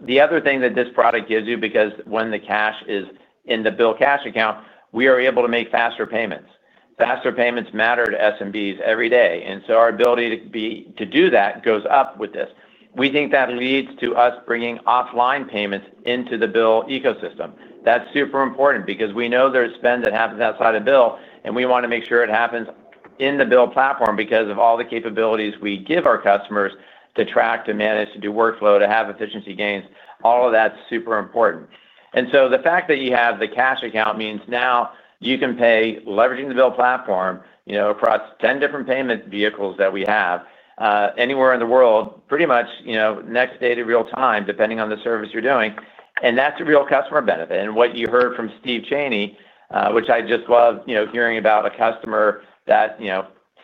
The other thing that this product gives you, because when the cash is in the BILL Cash Account, we are able to make faster payments. Faster payments matter to SMBs every day. Our ability to do that goes up with this. We think that leads to us bringing offline payments into the BILL ecosystem. That is super important because we know there is spend that happens outside of BILL, and we want to make sure it happens in the BILL platform because of all the capabilities we give our customers to track, to manage, to do workflow, to have efficiency gains. All of that is super important. The fact that you have the Cash Account means now you can pay, leveraging the BILL platform. Across 10 different payment vehicles that we have anywhere in the world, pretty much next-dated real-time, depending on the service you are doing. That is a real customer benefit. What you heard from Steve Chaney, which I just love hearing about, is a customer that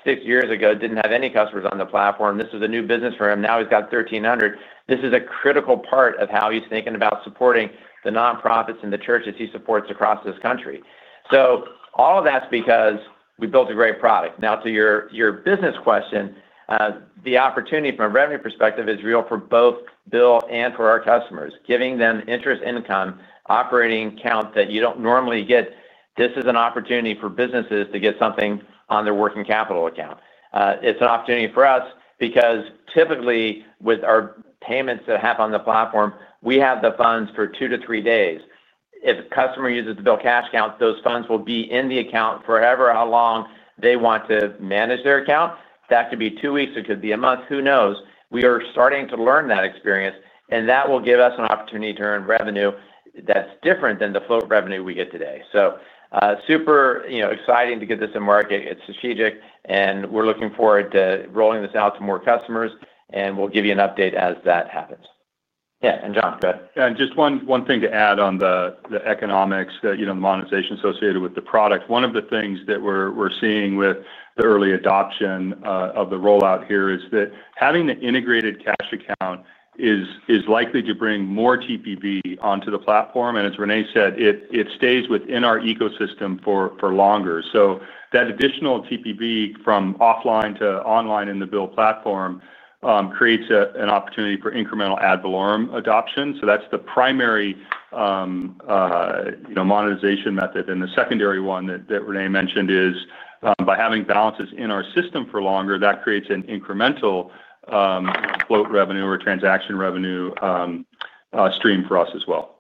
six years ago did not have any customers on the platform. This was a new business for him. Now he has 1,300. This is a critical part of how he is thinking about supporting the nonprofits and the churches he supports across this country. All of that is because we built a great product. To your business question, the opportunity from a revenue perspective is real for both BILL and for our customers, giving them interest income, an operating account that you do not normally get. This is an opportunity for businesses to get something on their working capital account. It is an opportunity for us because typically, with our payments that happen on the platform, we have the funds for two to three days. If a customer uses the BILL Cash Account, those funds will be in the account for however long they want to manage their account. That could be two weeks. It could be a month. Who knows? We are starting to learn that experience, and that will give us an opportunity to earn revenue that's different than the float revenue we get today. Super exciting to get this in market. It's strategic, and we're looking forward to rolling this out to more customers, and we'll give you an update as that happens. Yeah. And John, go ahead. Yeah. Just one thing to add on the economics, the monetization associated with the product. One of the things that we're seeing with the early adoption of the rollout here is that having the integrated cash account is likely to bring more TPV onto the platform. As René said, it stays within our ecosystem for longer. That additional TPV from offline to online in the BILL platform creates an opportunity for incremental ad valorem adoption. That is the primary monetization method. The secondary one that René mentioned is by having balances in our system for longer, which creates an incremental float revenue or transaction revenue stream for us as well.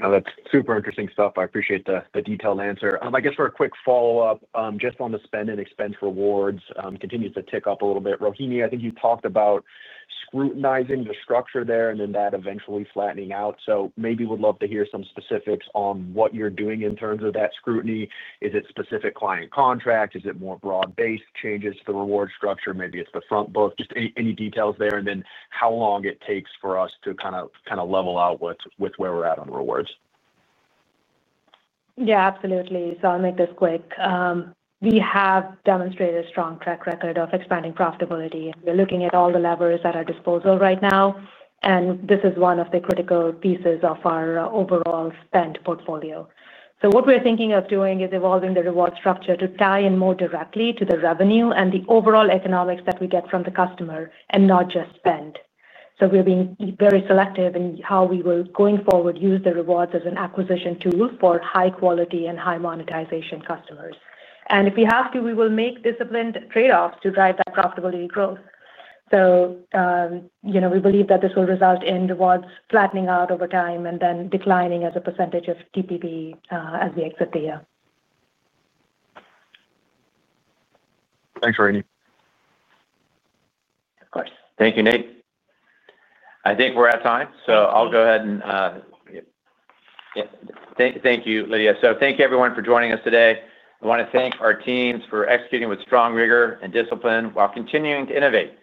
That is super interesting stuff. I appreciate the detailed answer. I guess for a quick follow-up, just on the Spend & Expense rewards, continues to tick up a little bit. Rohini, I think you talked about scrutinizing the structure there and then that eventually flattening out. Maybe we would love to hear some specifics on what you are doing in terms of that scrutiny. Is it specific client contracts? Is it more broad-based changes to the reward structure? Maybe it is the front book, just any details there, and then how long it takes for us to kind of level out with where we are at on rewards. Yeah, absolutely. I will make this quick. We have demonstrated a strong track record of expanding profitability. We are looking at all the levers at our disposal right now, and this is one of the critical pieces of our overall spend portfolio. What we are thinking of doing is evolving the reward structure to tie in more directly to the revenue and the overall economics that we get from the customer and not just spend. We are being very selective in how we will, going forward, use the rewards as an acquisition tool for high-quality and high-monetization customers. If we have to, we will make disciplined trade-offs to drive that profitability growth. We believe that this will result in rewards flattening out over time and then declining as a percentage of TPV as we exit the year. Thanks, Rohini. Of course. Thank you, Nate. I think we're at time, so I'll go ahead and. Thank you, Lydia. Thank you, everyone, for joining us today. I want to thank our teams for executing with strong rigor and discipline while continuing to innovate.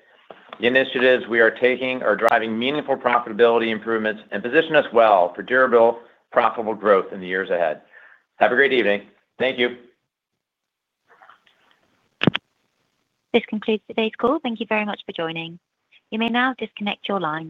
The initiatives we are taking are driving meaningful profitability improvements and position us well for durable, profitable growth in the years ahead. Have a great evening. Thank you. This concludes today's call. Thank you very much for joining. You may now disconnect your line.